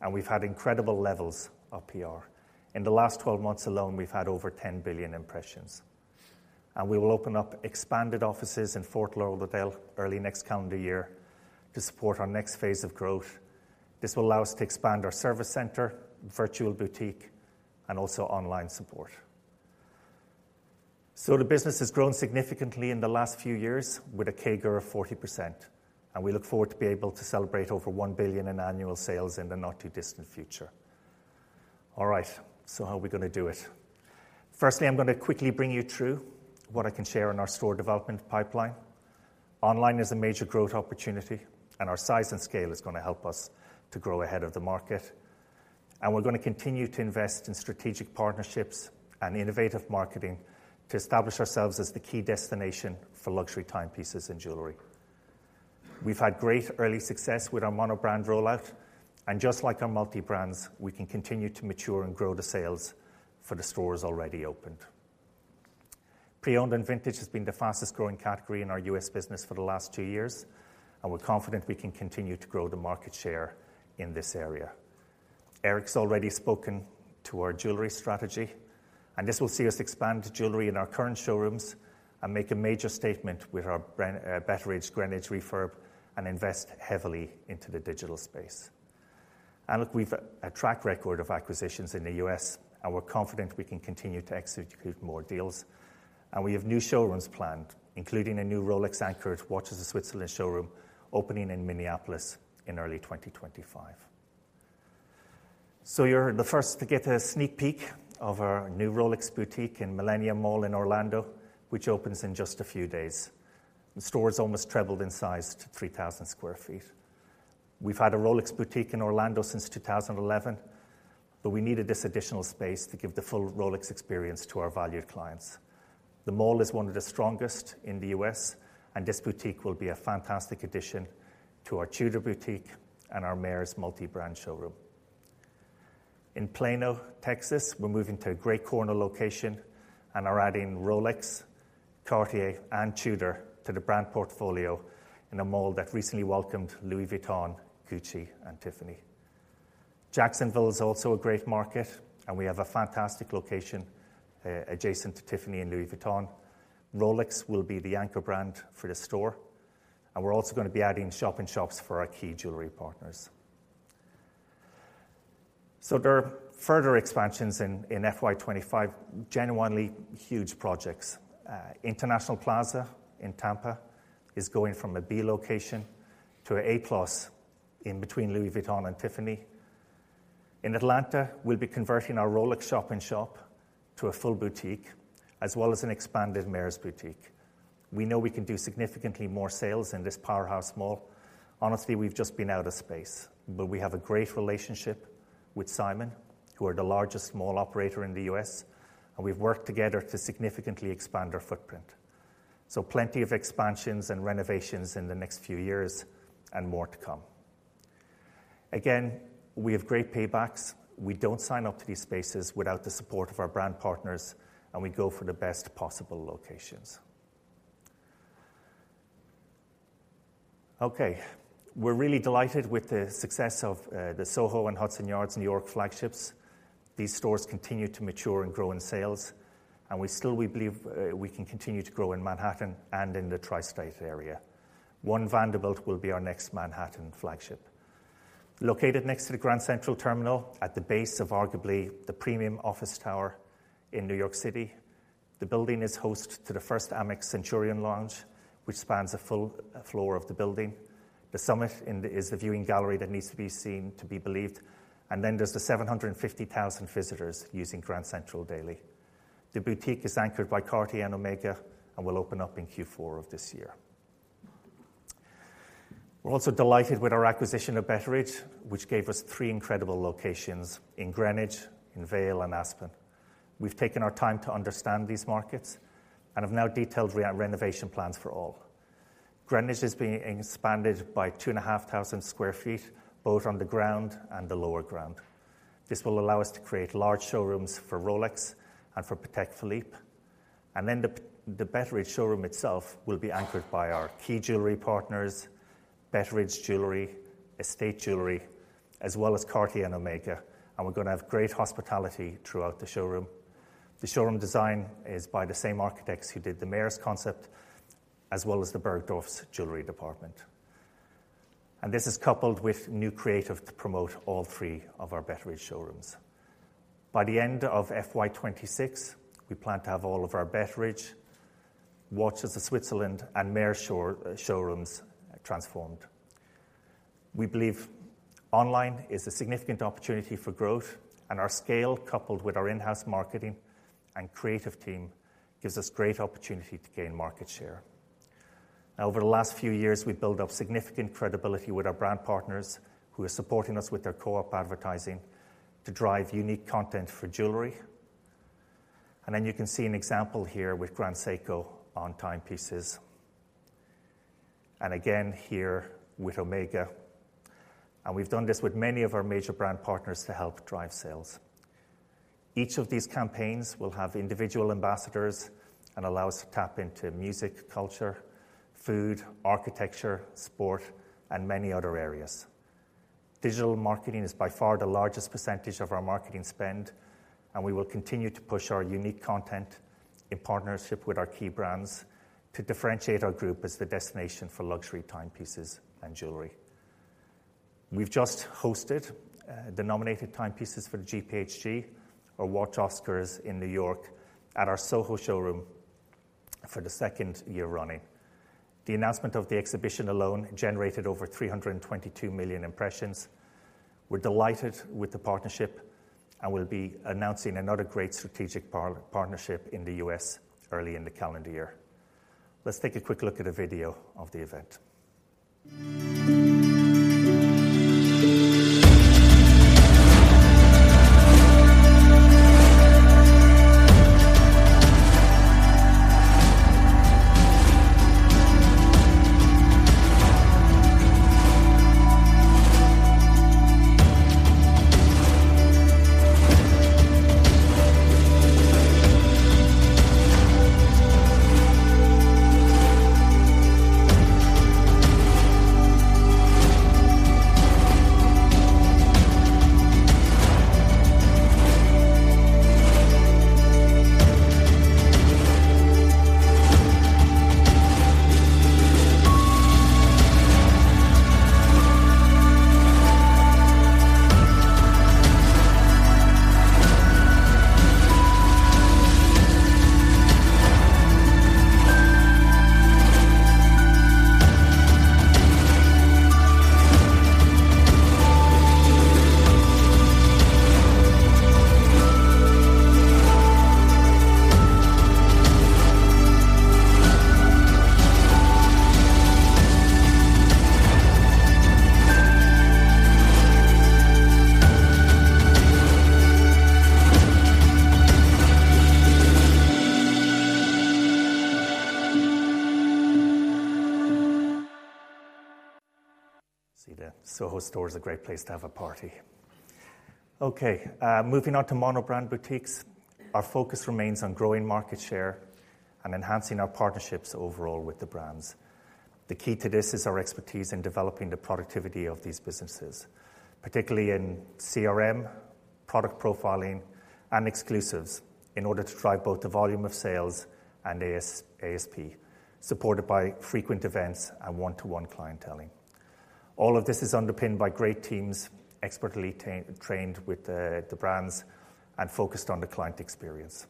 and we've had incredible levels of PR. In the last 12 months alone, we've had over 10 billion impressions, and we will open up expanded offices in Fort Lauderdale early next calendar year to support our next phase of growth. This will allow us to expand our service center, Virtual Boutique, and also online support. So the business has grown significantly in the last few years with a CAGR of 40%, and we look forward to be able to celebrate over 1 billion in annual sales in the not-too-distant future. All right, so how are we gonna do it? Firstly, I'm gonna quickly bring you through what I can share on our store development pipeline. Online is a major growth opportunity, and our size and scale is gonna help us to grow ahead of the market. And we're gonna continue to invest in strategic partnerships and innovative marketing to establish ourselves as the key destination for luxury timepieces and jewelry. We've had great early success with our monobrand rollout, and just like our multi-brands, we can continue to mature and grow the sales for the stores already opened. Pre-owned and vintage has been the fastest-growing category in our U.S. business for the last two years, and we're confident we can continue to grow the market share in this area. Eric's already spoken to our jewelry strategy, and this will see us expand jewelry in our current showrooms and make a major statement with our brand, Betteridge Greenwich refurb and invest heavily into the digital space. Look, we've a track record of acquisitions in the U.S., and we're confident we can continue to execute more deals. We have new showrooms planned, including a new Rolex-anchored Watches of Switzerland showroom opening in Minneapolis in early 2025. So you're the first to get a sneak peek of our new Rolex boutique in Millenia Mall in Orlando, which opens in just a few days. The store's almost trebled in size to 3,000 sq ft. We've had a Rolex boutique in Orlando since 2011, but we needed this additional space to give the full Rolex experience to our valued clients. The mall is one of the strongest in the U.S., and this boutique will be a fantastic addition to our Tudor boutique and our Mayors multi-brand showroom. In Plano, Texas, we're moving to a great corner location and are adding Rolex, Cartier, and Tudor to the brand portfolio in a mall that recently welcomed Louis Vuitton, Gucci, and Tiffany. Jacksonville is also a great market, and we have a fantastic location, adjacent to Tiffany and Louis Vuitton. Rolex will be the anchor brand for the store, and we're also gonna be adding shop-in-shops for our key jewelry partners. So there are further expansions in FY 2025, genuinely huge projects. International Plaza in Tampa is going from a B location to an A+ in between Louis Vuitton and Tiffany. In Atlanta, we'll be converting our Rolex shop-in-shop to a full boutique, as well as an expanded Mayors boutique. We know we can do significantly more sales in this powerhouse mall. Honestly, we've just been out of space, but we have a great relationship with Simon, who are the largest mall operator in the U.S., and we've worked together to significantly expand our footprint. So plenty of expansions and renovations in the next few years and more to come. Again, we have great paybacks. We don't sign up to these spaces without the support of our brand partners, and we go for the best possible locations. Okay. We're really delighted with the success of the SoHo and Hudson Yards, New York flagships. These stores continue to mature and grow in sales, and we still believe we can continue to grow in Manhattan and in the Tri-State Area. One Vanderbilt will be our next Manhattan flagship. Located next to the Grand Central Terminal, at the base of arguably the premium office tower in New York City, the building is host to the first Amex Centurion Lounge, which spans a full floor of the building. The Summit is the viewing gallery that needs to be seen to be believed, and then there's the 750,000 visitors using Grand Central daily. The boutique is anchored by Cartier and Omega and will open up in Q4 of this year. We're also delighted with our acquisition of Betteridge, which gave us three incredible locations in Greenwich, in Vail, and Aspen. We've taken our time to understand these markets and have now detailed renovation plans for all. Greenwich is being expanded by 2,500 sq ft, both on the ground and the lower ground. This will allow us to create large showrooms for Rolex and for Patek Philippe, and then the Betteridge showroom itself will be anchored by our key jewelry partners, Betteridge Jewelry, Estate Jewelry, as well as Cartier and Omega, and we're gonna have great hospitality throughout the showroom. The showroom design is by the same architects who did the Mayors concept, as well as the Bergdorf's jewelry department... This is coupled with new creative to promote all three of our Betteridge showrooms. By the end of FY 2026, we plan to have all of our Betteridge, Watches of Switzerland, and Mayors showrooms transformed. We believe online is a significant opportunity for growth, and our scale, coupled with our in-house marketing and creative team, gives us great opportunity to gain market share. Now, over the last few years, we've built up significant credibility with our brand partners, who are supporting us with their co-op advertising to drive unique content for jewelry. And then you can see an example here with Grand Seiko on timepieces, and again here with Omega. And we've done this with many of our major brand partners to help drive sales. Each of these campaigns will have individual ambassadors and allow us to tap into music, culture, food, architecture, sport, and many other areas. Digital marketing is by far the largest percentage of our marketing spend, and we will continue to push our unique content in partnership with our key brands to differentiate our group as the destination for luxury timepieces and jewelry. We've just hosted the nominated timepieces for the GPHG, or Watch Oscars, in New York at our Soho showroom for the second year running. The announcement of the exhibition alone generated over 322 million impressions. We're delighted with the partnership and we'll be announcing another great strategic partnership in the U.S. early in the calendar year. Let's take a quick look at a video of the event. See, the Soho store is a great place to have a party. Okay, moving on to monobrand boutiques. Our focus remains on growing market share and enhancing our partnerships overall with the brands. The key to this is our expertise in developing the productivity of these businesses, particularly in CRM, product profiling, and exclusives, in order to drive both the volume of sales and ASP, supported by frequent events and one-to-one clienteling. All of this is underpinned by great teams, expertly trained with the brands and focused on the client experience.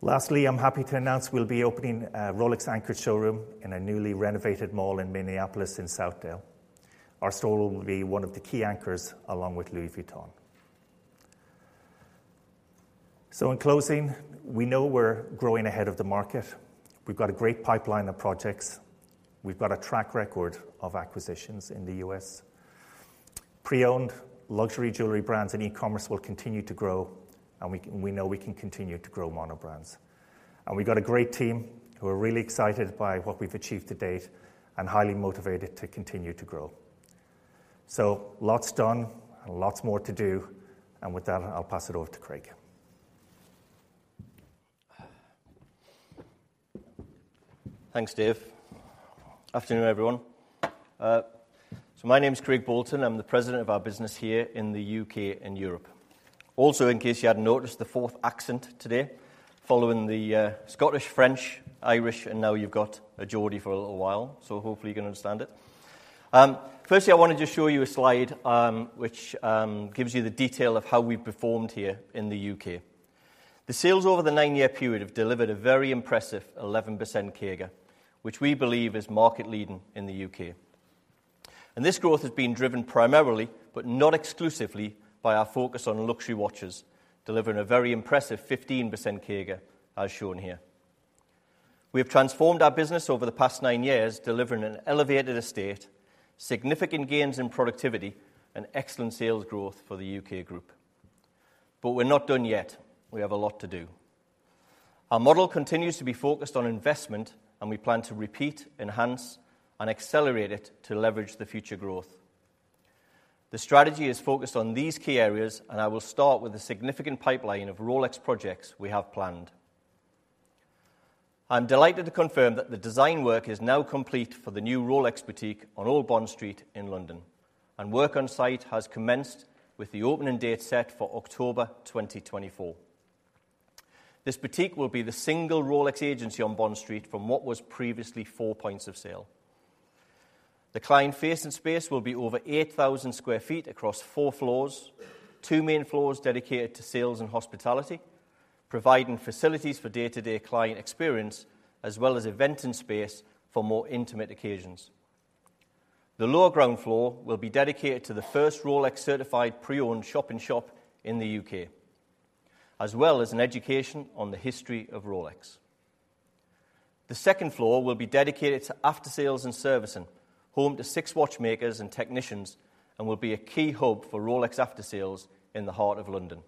Lastly, I'm happy to announce we'll be opening a Rolex anchor showroom in a newly renovated mall in Minneapolis, in Southdale. Our store will be one of the key anchors, along with Louis Vuitton. So in closing, we know we're growing ahead of the market. We've got a great pipeline of projects. We've got a track record of acquisitions in the U.S. Pre-owned luxury jewelry brands and e-commerce will continue to grow, and we know we can continue to grow monobrands. We've got a great team, who are really excited by what we've achieved to date and highly motivated to continue to grow. Lots done and lots more to do, and with that, I'll pass it over to Craig. Thanks, Dave. Afternoon, everyone. So my name is Craig Bolton. I'm the president of our business here in the U.K. and Europe. Also, in case you hadn't noticed, the fourth accent today, following the Scottish, French, Irish, and now you've got a Geordie for a little while, so hopefully you can understand it. Firstly, I wanted to show you a slide, which gives you the detail of how we've performed here in the U.K. The sales over the nine-year period have delivered a very impressive 11% CAGR, which we believe is market-leading in the U.K. And this growth has been driven primarily, but not exclusively, by our focus on luxury watches, delivering a very impressive 15% CAGR, as shown here. We have transformed our business over the past nine years, delivering an elevated estate, significant gains in productivity, and excellent sales growth for the U.K. group. We're not done yet. We have a lot to do. Our model continues to be focused on investment, and we plan to repeat, enhance, and accelerate it to leverage the future growth. The strategy is focused on these key areas, and I will start with the significant pipeline of Rolex projects we have planned. I'm delighted to confirm that the design work is now complete for the new Rolex boutique on Old Bond Street in London, and work on site has commenced, with the opening date set for October 2024. This boutique will be the single Rolex agency on Bond Street from what was previously four points of sale. The client-facing space will be over 8,000 sq ft across four floors. Two main floors dedicated to sales and hospitality, providing facilities for day-to-day client experience, as well as eventing space for more intimate occasions. The lower ground floor will be dedicated to the first Rolex Certified Pre-Owned shop-in-shop in the U.K., as well as an education on the history of Rolex. The second floor will be dedicated to after-sales and servicing, home to six watchmakers and technicians, and will be a key hub for Rolex after-sales in the heart of London.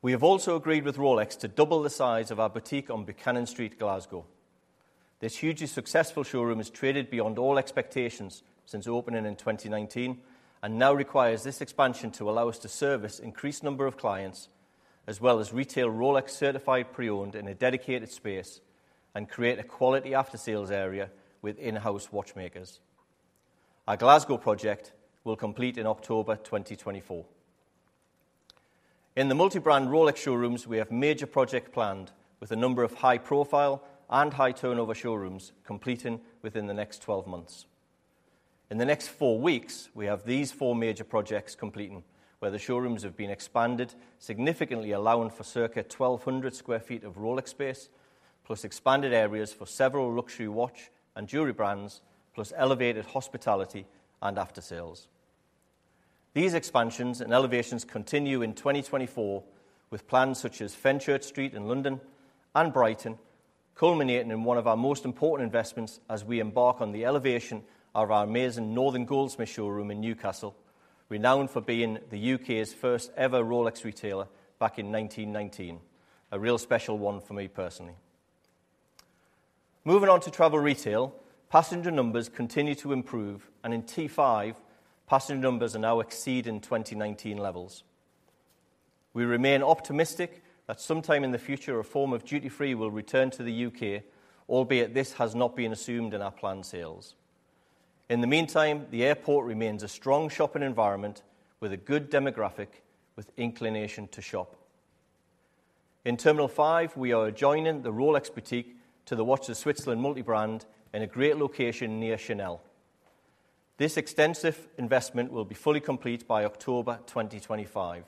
We have also agreed with Rolex to double the size of our boutique on Buchanan Street, Glasgow. This hugely successful showroom has traded beyond all expectations since opening in 2019, and now requires this expansion to allow us to service increased number of clients, as well as retail Rolex Certified Pre-Owned in a dedicated space and create a quality after-sales area with in-house watchmakers. Our Glasgow project will complete in October 2024. In the multi-brand Rolex showrooms, we have major project planned, with a number of high-profile and high-turnover showrooms completing within the next 12 months. In the next four weeks, we have these four major projects completing, where the showrooms have been expanded, significantly allowing for circa 1,200 sq ft of Rolex space, plus expanded areas for several luxury watch and jewelry brands, plus elevated hospitality and after-sales. These expansions and elevations continue in 2024 with plans such as Fenchurch Street in London and Brighton, culminating in one of our most important investments as we embark on the elevation of our amazing Northern Goldsmiths showroom in Newcastle, renowned for being the U.K.'s first-ever Rolex retailer back in 1919. A real special one for me personally. Moving on to travel retail. Passenger numbers continue to improve, and in T5, passenger numbers are now exceeding 2019 levels. We remain optimistic that sometime in the future, a form of duty-free will return to the U.K., albeit this has not been assumed in our planned sales. In the meantime, the airport remains a strong shopping environment with a good demographic, with inclination to shop. In Terminal 5, we are adjoining the Rolex boutique to the Watches of Switzerland multi-brand in a great location near Chanel. This extensive investment will be fully complete by October 2025.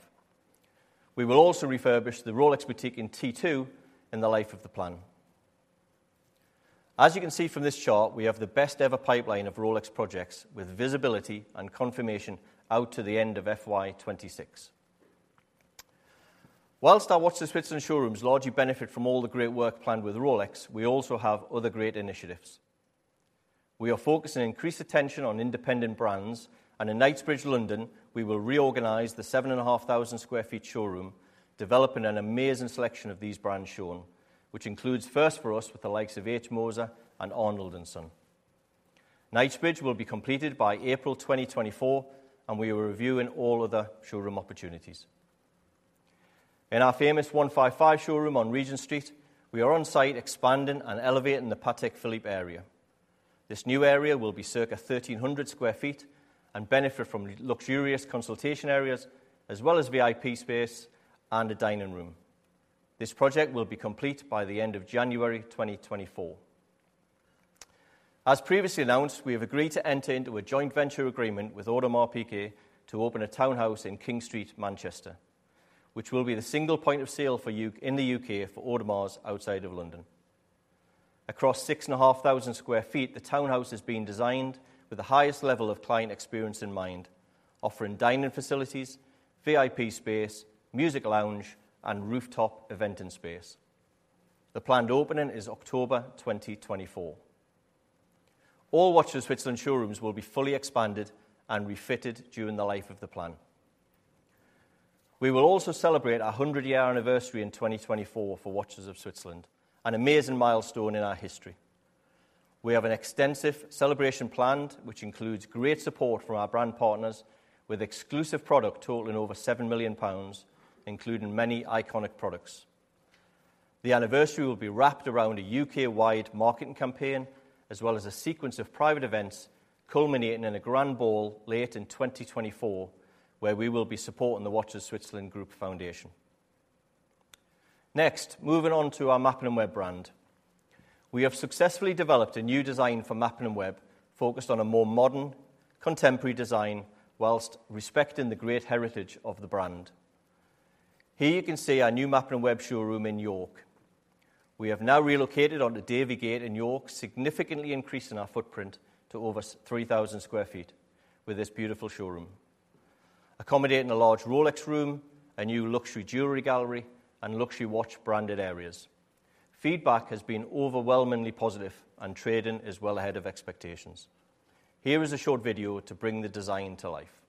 We will also refurbish the Rolex boutique in T2 in the life of the plan. As you can see from this chart, we have the best-ever pipeline of Rolex projects, with visibility and confirmation out to the end of FY 2026. While our Watches of Switzerland showrooms largely benefit from all the great work planned with Rolex, we also have other great initiatives. We are focusing increased attention on independent brands, and in Knightsbridge, London, we will reorganize the 7,500 sq ft showroom, developing an amazing selection of these brands shown, which includes first for us with the likes of H. Moser and Arnold & Son. Knightsbridge will be completed by April 2024, and we are reviewing all other showroom opportunities. In our famous 155 showroom on Regent Street, we are on site expanding and elevating the Patek Philippe area. This new area will be circa 1,300 sq ft and benefit from luxurious consultation areas, as well as VIP space and a dining room. This project will be complete by the end of January 2024. As previously announced, we have agreed to enter into a joint venture agreement with Audemars Piguet to open a townhouse in King Street, Manchester, which will be the single point of sale in the U.K. for Audemars outside of London. Across 6,500 sq ft, the townhouse is being designed with the highest level of client experience in mind, offering dining facilities, VIP space, music lounge, and rooftop eventing space. The planned opening is October 2024. All Watches of Switzerland showrooms will be fully expanded and refitted during the life of the plan. We will also celebrate our 100-year anniversary in 2024 for Watches of Switzerland, an amazing milestone in our history. We have an extensive celebration planned, which includes great support from our brand partners with exclusive product totaling over 7 million pounds, including many iconic products. The anniversary will be wrapped around a U.K.-wide marketing campaign, as well as a sequence of private events, culminating in a grand ball late in 2024, where we will be supporting the Watches of Switzerland Group Foundation. Next, moving on to our Mappin & Webb brand. We have successfully developed a new design for Mappin & Webb, focused on a more modern, contemporary design, while respecting the great heritage of the brand. Here you can see our new Mappin & Webb showroom in York. We have now relocated on to Davygate in York, significantly increasing our footprint to over 3,000 sq ft with this beautiful showroom, accommodating a large Rolex room, a new luxury jewelry gallery, and luxury watch branded areas. Feedback has been overwhelmingly positive, and trading is well ahead of expectations. Here is a short video to bring the design to life.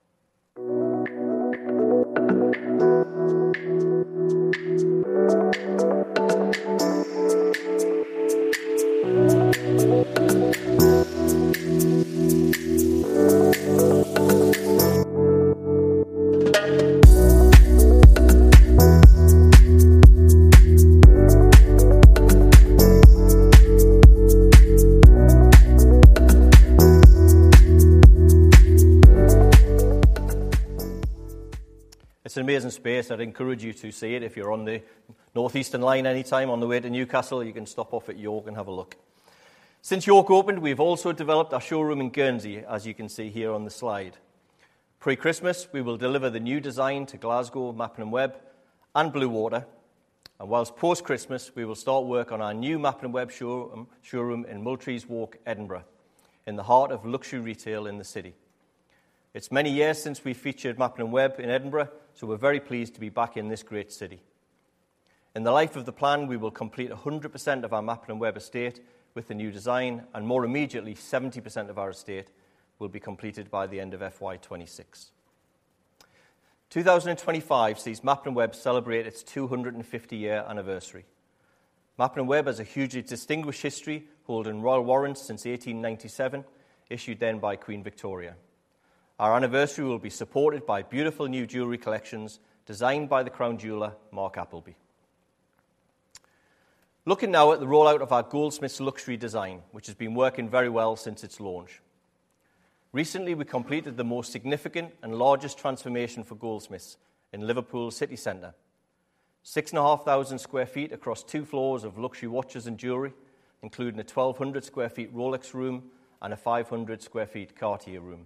It's an amazing space, I'd encourage you to see it. If you're on the Northeastern Line anytime on the way to Newcastle, you can stop off at York and have a look. Since York opened, we've also developed our showroom in Guernsey, as you can see here on the slide. Pre-Christmas, we will deliver the new design to Glasgow, Mappin & Webb, and Bluewater, and whilst post-Christmas, we will start work on our new Mappin & Webb showroom, showroom in Multrees Walk, Edinburgh, in the heart of luxury retail in the city. It's many years since we featured Mappin & Webb in Edinburgh, so we're very pleased to be back in this great city. In the life of the plan, we will complete 100% of our Mappin & Webb estate with the new design, and more immediately, 70% of our estate will be completed by the end of FY 2026. 2025 sees Mappin & Webb celebrate its 250-year anniversary. Mappin & Webb has a hugely distinguished history, holding Royal Warrants since 1897, issued then by Queen Victoria. Our anniversary will be supported by beautiful new jewelry collections designed by the Crown Jeweler, Mark Appleby. Looking now at the rollout of our Goldsmiths luxury design, which has been working very well since its launch. Recently, we completed the most significant and largest transformation for Goldsmiths in Liverpool city center. 6,500 sq ft across two floors of luxury watches and jewelry, including a 1,200 sq ft Rolex room and a 500 sq ft Cartier room.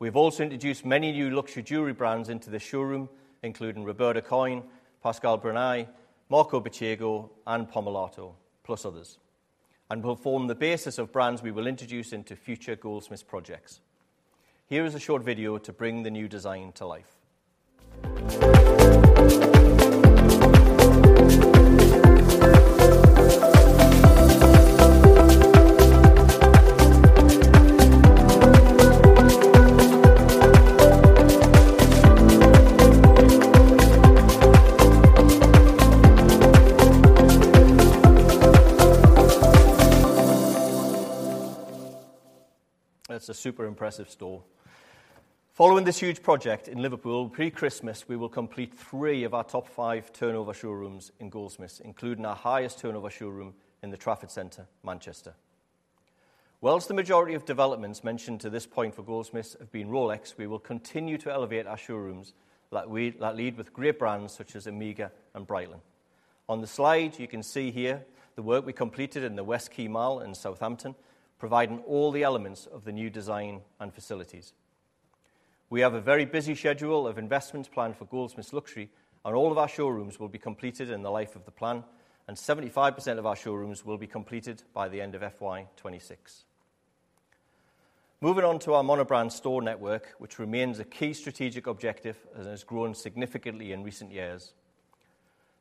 We've also introduced many new luxury jewelry brands into the showroom, including Roberto Coin, Pasquale Bruni, Marco Bicego, and Pomellato, plus others, and will form the basis of brands we will introduce into future Goldsmiths projects. Here is a short video to bring the new design to life. That's a super impressive store. Following this huge project in Liverpool, pre-Christmas, we will complete three of our top five turnover showrooms in Goldsmiths, including our highest turnover showroom in the Trafford Centre, Manchester. While the majority of developments mentioned to this point for Goldsmiths have been Rolex, we will continue to elevate our showrooms that lead with great brands such as Omega and Breitling. On the slide, you can see here the work we completed in the Westquay Mall in Southampton, providing all the elements of the new design and facilities. We have a very busy schedule of investments planned for Goldsmiths luxury, and all of our showrooms will be completed in the life of the plan, and 75% of our showrooms will be completed by the end of FY 2026. Moving on to our monobrand store network, which remains a key strategic objective and has grown significantly in recent years.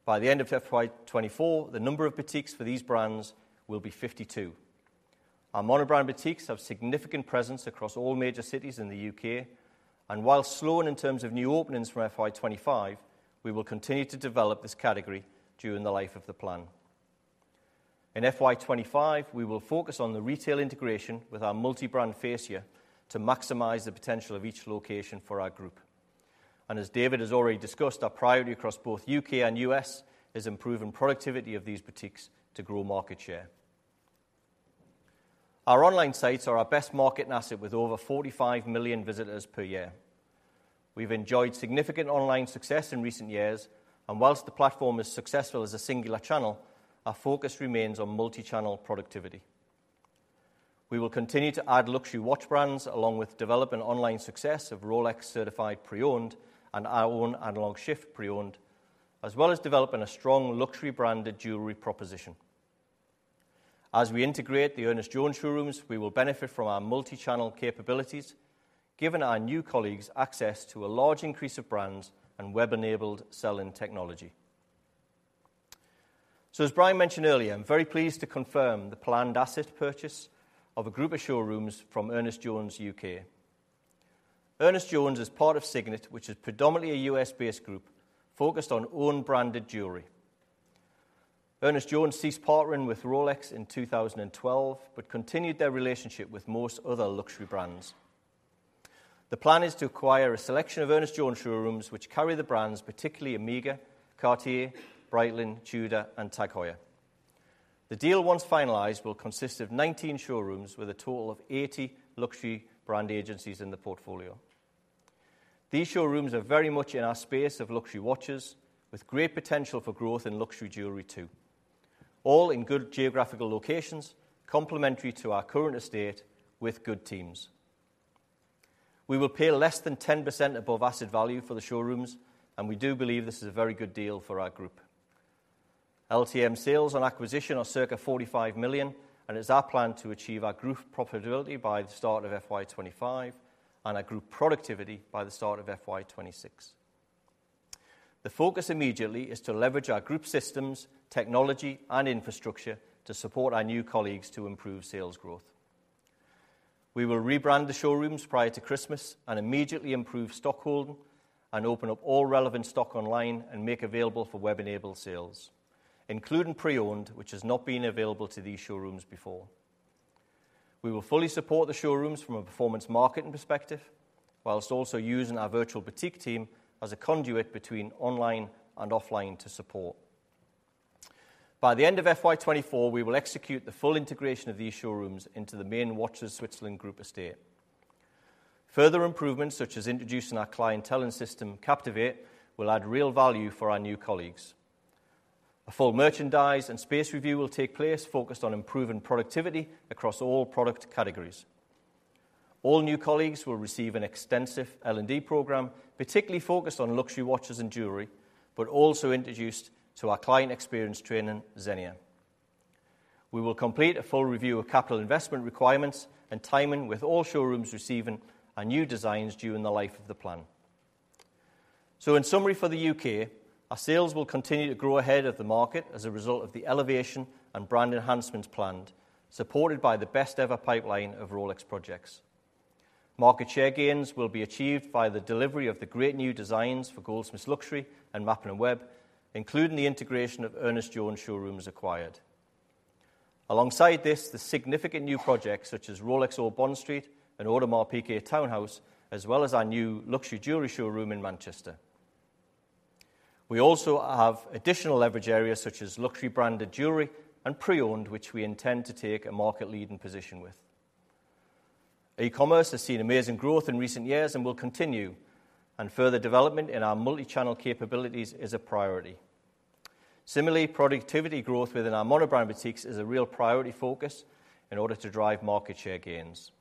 By the end of FY 2024, the number of boutiques for these brands will be 52. Our monobrand boutiques have significant presence across all major cities in the U.K., and whilst slowing in terms of new openings for FY 2025, we will continue to develop this category during the life of the plan. In FY 2025, we will focus on the retail integration with our multi-brand fascia to maximize the potential of each location for our group. As David has already discussed, our priority across both U.K. and U.S. is improving productivity of these boutiques to grow market share. Our online sites are our best marketing asset, with over 45 million visitors per year. We've enjoyed significant online success in recent years, and while the platform is successful as a singular channel, our focus remains on multi-channel productivity. We will continue to add luxury watch brands, along with developing online success of Rolex Certified Pre-Owned and our own Analog Shift pre-owned, as well as developing a strong luxury branded jewelry proposition. As we integrate the Ernest Jones showrooms, we will benefit from our multi-channel capabilities, giving our new colleagues access to a large increase of brands and web-enabled selling technology. So as Brian mentioned earlier, I'm very pleased to confirm the planned asset purchase of a group of showrooms from Ernest Jones U.K. Ernest Jones is part of Signet, which is predominantly a U.S.-based group focused on own-branded jewelry. Ernest Jones ceased partnering with Rolex in 2012, but continued their relationship with most other luxury brands. The plan is to acquire a selection of Ernest Jones showrooms, which carry the brands, particularly Omega, Cartier, Breitling, Tudor, and TAG Heuer. The deal, once finalized, will consist of 19 showrooms with a total of 80 luxury brand agencies in the portfolio. These showrooms are very much in our space of luxury watches, with great potential for growth in luxury jewelry, too. All in good geographical locations, complementary to our current estate with good teams. We will pay less than 10% above asset value for the showrooms, and we do believe this is a very good deal for our group. LTM sales on acquisition are circa 45 million, and it's our plan to achieve our group profitability by the start of FY 2025 and our group productivity by the start of FY 2026. The focus immediately is to leverage our group systems, technology, and infrastructure to support our new colleagues to improve sales growth. We will rebrand the showrooms prior to Christmas and immediately improve stock holding and open up all relevant stock online and make available for web-enabled sales, including pre-owned, which has not been available to these showrooms before. We will fully support the showrooms from a performance marketing perspective, whilst also using our Virtual Boutique team as a conduit between online and offline to support. By the end of FY 2024, we will execute the full integration of these showrooms into the main Watches of Switzerland Group estate. Further improvements, such as introducing our clienteling system, Captivate, will add real value for our new colleagues. A full merchandise and space review will take place, focused on improving productivity across all product categories. All new colleagues will receive an extensive L&D program, particularly focused on luxury watches and jewelry, but also introduced to our client experience training, Xenia. We will complete a full review of capital investment requirements and timing, with all showrooms receiving our new designs during the life of the plan. In summary for the U.K., our sales will continue to grow ahead of the market as a result of the elevation and brand enhancements planned, supported by the best-ever pipeline of Rolex projects. Market share gains will be achieved by the delivery of the great new designs for Goldsmiths Luxury and Mappin & Webb, including the integration of Ernest Jones showrooms acquired. Alongside this, the significant new projects such as Rolex Old Bond Street and Audemars Piguet Townhouse, as well as our new luxury jewelry showroom in Manchester. We also have additional leverage areas such as luxury branded jewelry and pre-owned, which we intend to take a market-leading position with. E-commerce has seen amazing growth in recent years and will continue, and further development in our multi-channel capabilities is a priority. Similarly, productivity growth within our monobrand boutiques is a real priority focus in order to drive market share gains.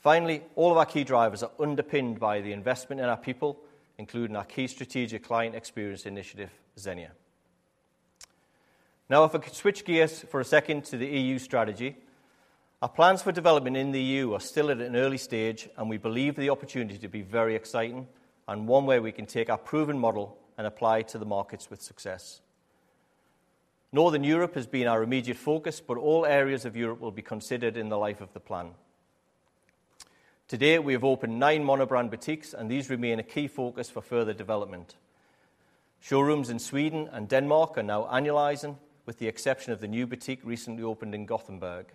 Finally, all of our key drivers are underpinned by the investment in our people, including our key strategic client experience initiative, Xenia. Now, if I could switch gears for a second to the EU strategy. Our plans for development in the EU are still at an early stage, and we believe the opportunity to be very exciting and one where we can take our proven model and apply it to the markets with success. Northern Europe has been our immediate focus, but all areas of Europe will be considered in the life of the plan. To date, we have opened nine mono-brand boutiques, and these remain a key focus for further development. Showrooms in Sweden and Denmark are now annualizing, with the exception of the new boutique recently opened in Gothenburg.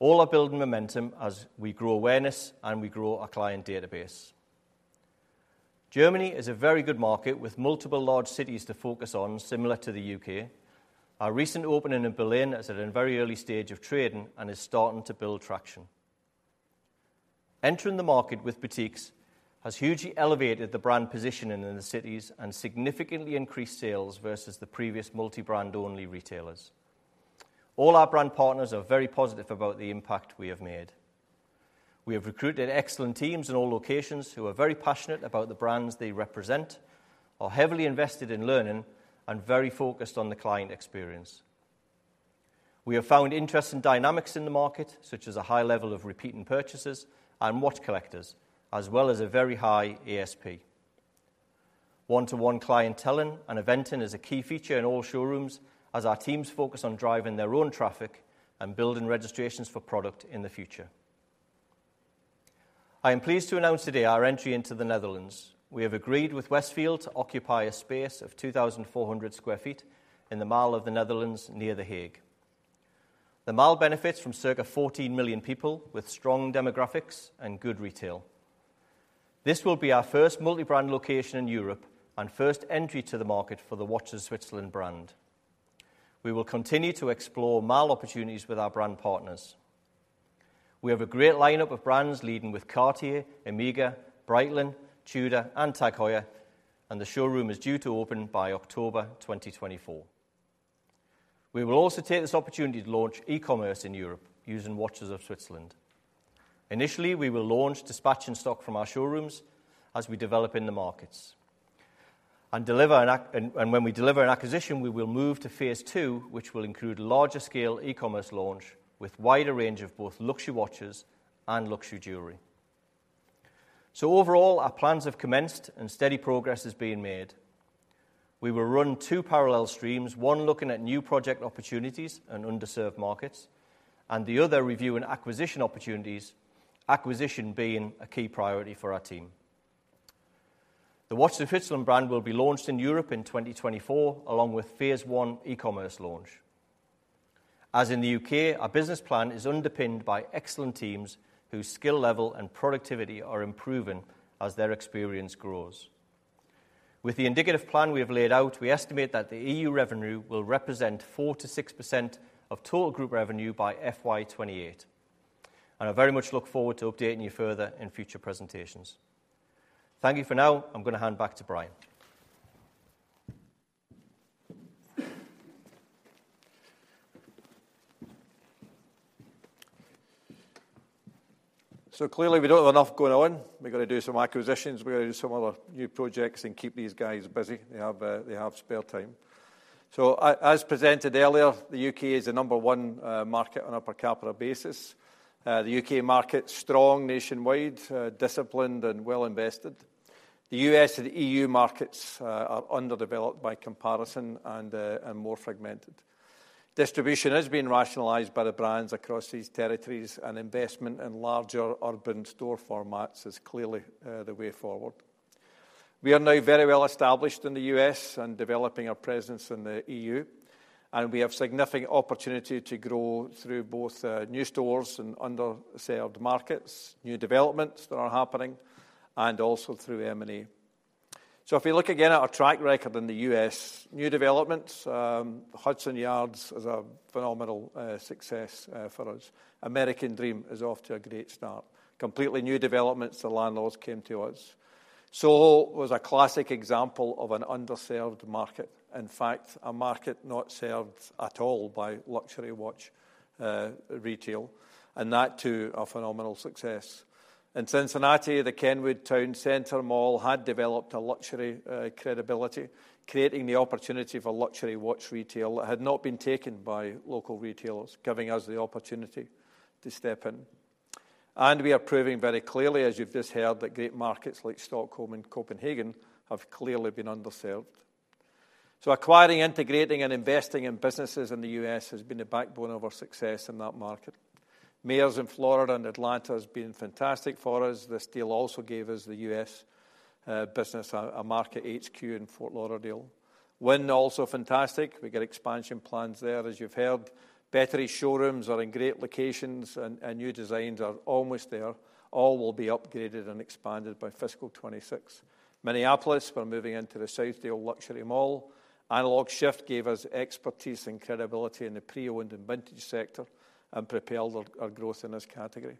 All are building momentum as we grow awareness and we grow our client database. Germany is a very good market with multiple large cities to focus on, similar to the U.K. Our recent opening in Berlin is at a very early stage of trading and is starting to build traction. Entering the market with boutiques has hugely elevated the brand positioning in the cities and significantly increased sales versus the previous multi-brand only retailers. All our brand partners are very positive about the impact we have made. We have recruited excellent teams in all locations who are very passionate about the brands they represent, are heavily invested in learning, and very focused on the client experience. We have found interesting dynamics in the market, such as a high level of repeating purchases and watch collectors, as well as a very high ASP. One-to-one clienteling and eventing is a key feature in all showrooms as our teams focus on driving their own traffic and building registrations for product in the future. I am pleased to announce today our entry into the Netherlands. We have agreed with Westfield to occupy a space of 2,400 sq ft in the Mall of the Netherlands, near The Hague. The mall benefits from circa 14 million people with strong demographics and good retail. This will be our first multi-brand location in Europe and first entry to the market for the Watches of Switzerland brand. We will continue to explore mall opportunities with our brand partners. We have a great lineup of brands, leading with Cartier, Omega, Breitling, Tudor, and TAG Heuer, and the showroom is due to open by October 2024. We will also take this opportunity to launch e-commerce in Europe using Watches of Switzerland. Initially, we will launch dispatch and stock from our showrooms as we develop in the markets. And when we deliver an acquisition, we will move to phase II, which will include a larger scale e-commerce launch with wider range of both luxury watches and luxury jewelry. So overall, our plans have commenced and steady progress is being made. We will run two parallel streams, one looking at new project opportunities and underserved markets, and the other reviewing acquisition opportunities, acquisition being a key priority for our team. The Watches of Switzerland brand will be launched in Europe in 2024, along with phase I e-commerce launch. As in the U.K., our business plan is underpinned by excellent teams whose skill level and productivity are improving as their experience grows. With the indicative plan we have laid out, we estimate that the EU revenue will represent 4%-6% of total group revenue by FY 2028. I very much look forward to updating you further in future presentations. Thank you for now. I'm going to hand back to Brian. So clearly, we don't have enough going on. We've got to do some acquisitions. We've got to do some other new projects and keep these guys busy. They have, they have spare time. So as presented earlier, the U.K. is the number one market on a per capita basis. The UK market's strong nationwide, disciplined, and well-invested. The U.S. and EU markets are underdeveloped by comparison and more fragmented. Distribution is being rationalized by the brands across these territories, and investment in larger urban store formats is clearly the way forward. We are now very well established in the U.S. and developing our presence in the EU and we have significant opportunity to grow through both new stores and underserved markets, new developments that are happening, and also through M&A. So if you look again at our track record in the U.S., new developments, Hudson Yards is a phenomenal success for us. American Dream is off to a great start. Completely new developments, the landlords came to us. SoHo was a classic example of an underserved market. In fact, a market not served at all by luxury watch retail, and that too, a phenomenal success. In Cincinnati, the Kenwood Towne Centre Mall had developed a luxury credibility, creating the opportunity for luxury watch retail that had not been taken by local retailers, giving us the opportunity to step in. And we are proving very clearly, as you've just heard, that great markets like Stockholm and Copenhagen have clearly been underserved. So acquiring, integrating, and investing in businesses in the U.S. has been the backbone of our success in that market. Mayors in Florida and Atlanta has been fantastic for us. This deal also gave us the U.S. business a market HQ in Fort Lauderdale. Wynn, also fantastic. We get expansion plans there, as you've heard. Betteridge showrooms are in great locations, and new designs are almost there. All will be upgraded and expanded by fiscal 2026. Minneapolis, we're moving into the Southdale Mall. Analog Shift gave us expertise and credibility in the pre-owned and vintage sector and propelled our growth in this category.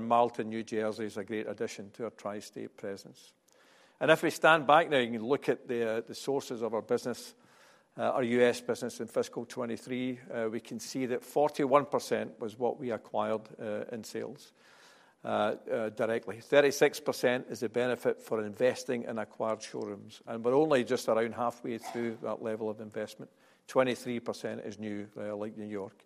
Marlton, New Jersey, is a great addition to our Tri-State presence. If we stand back now and you look at the sources of our business, our U.S. business in fiscal 2023, we can see that 41% was what we acquired in sales directly. 36% is the benefit for investing in acquired showrooms, and we're only just around halfway through that level of investment. 23% is new, like New York.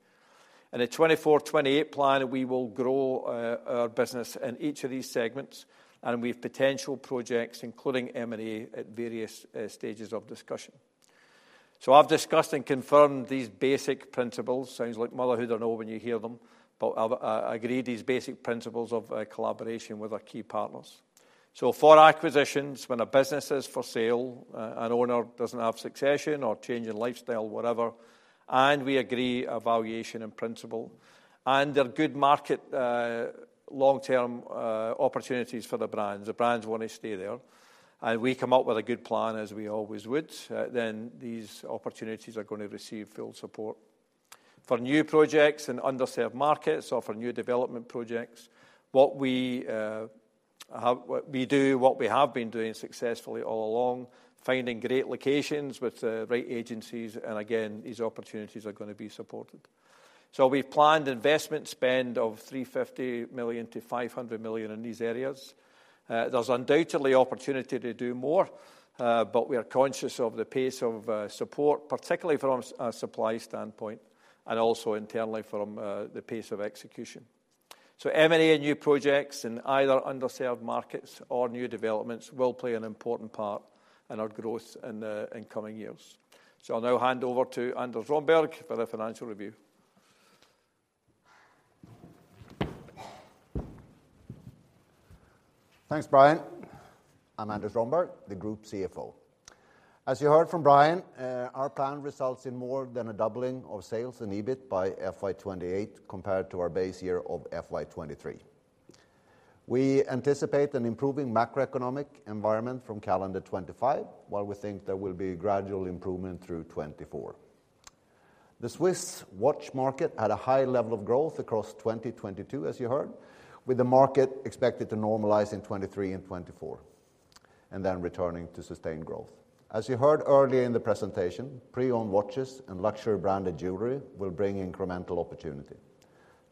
In the 2024-2028 plan, we will grow our business in each of these segments, and we have potential projects, including M&A, at various stages of discussion. So I've discussed and confirmed these basic principles. Sounds like motherhood, I know, when you hear them, but I've agreed these basic principles of collaboration with our key partners. So for acquisitions, when a business is for sale, an owner doesn't have succession or change in lifestyle, whatever, and we agree a valuation in principle, and there are good market, long-term opportunities for the brands, the brands want to stay there, and we come up with a good plan, as we always would, then these opportunities are going to receive full support. For new projects in underserved markets or for new development projects, we do what we have been doing successfully all along, finding great locations with the right agencies, and again, these opportunities are gonna be supported. So we've planned investment spend of 350 million-500 million in these areas. There's undoubtedly opportunity to do more, but we are conscious of the pace of support, particularly from a supply standpoint, and also internally from the pace of execution. So M&A and new projects in either underserved markets or new developments will play an important part in our growth in the coming years. So I'll now hand over to Anders Romberg for the financial review. Thanks, Brian. I'm Anders Romberg, the Group CFO. As you heard from Brian, our plan results in more than a doubling of sales and EBIT by FY 2028 compared to our base year of FY 2023. We anticipate an improving macroeconomic environment from calendar 2025, while we think there will be gradual improvement through 2024. The Swiss watch market had a high level of growth across 2022, as you heard, with the market expected to normalize in 2023 and 2024, and then returning to sustained growth. As you heard earlier in the presentation, pre-owned watches and luxury branded jewelry will bring incremental opportunity.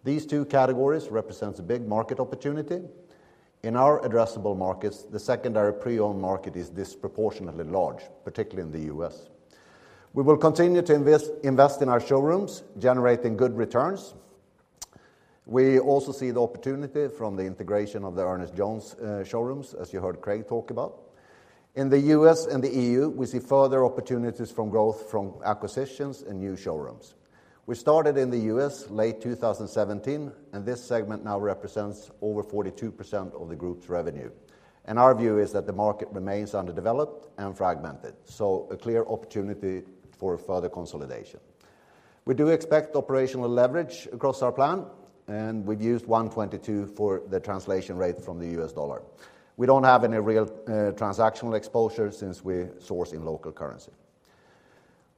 These two categories represents a big market opportunity. In our addressable markets, the secondary pre-owned market is disproportionately large, particularly in the U.S. We will continue to invest, invest in our showrooms, generating good returns. We also see the opportunity from the integration of the Ernest Jones showrooms, as you heard Craig talk about. In the U.S. and the EU, we see further opportunities from growth from acquisitions and new showrooms. We started in the U.S. late 2017, and this segment now represents over 42% of the group's revenue. Our view is that the market remains underdeveloped and fragmented, so a clear opportunity for further consolidation. We do expect operational leverage across our plan, and we've used 1.22 for the translation rate from the US dollar. We don't have any real transactional exposure since we source in local currency.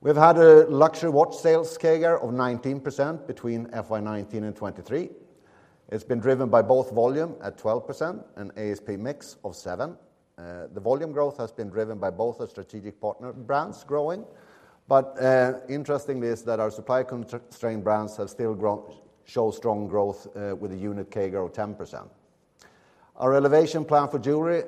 We've had a luxury watch sales CAGR of 19% between FY 2019 and 2023. It's been driven by both volume at 12% and ASP mix of seven. The volume growth has been driven by both the strategic partner brands growing. But interestingly, is that our supply constrained brands have still shown strong growth with a unit CAGR of 10%. Our elevation plan for jewelry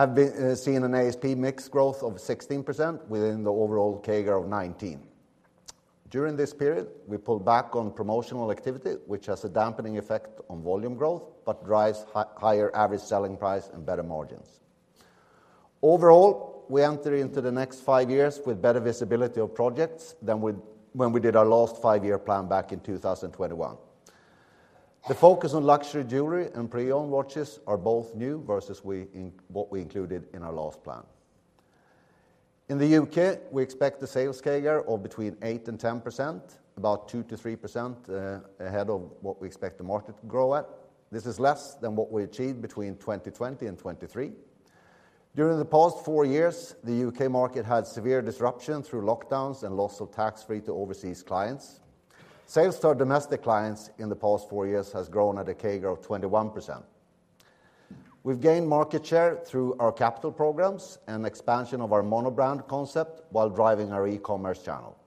have been seen an ASP mix growth of 16% within the overall CAGR of 19%. During this period, we pulled back on promotional activity, which has a dampening effect on volume growth, but drives higher average selling price and better margins. Overall, we enter into the next five years with better visibility of projects than when we did our last five-year plan back in 2021. The focus on luxury jewelry and pre-owned watches are both new versus we, in, what we included in our last plan. In the U.K., we expect a sales CAGR of between 8% and 10%, about 2%-3%, ahead of what we expect the market to grow at. This is less than what we achieved between 2020 and 2023. During the past four years, the UK market had severe disruption through lockdowns and loss of tax-free to overseas clients. Sales to our domestic clients in the past four years has grown at a CAGR of 21%. We've gained market share through our capital programs and expansion of our monobrand concept while driving our e-commerce channel.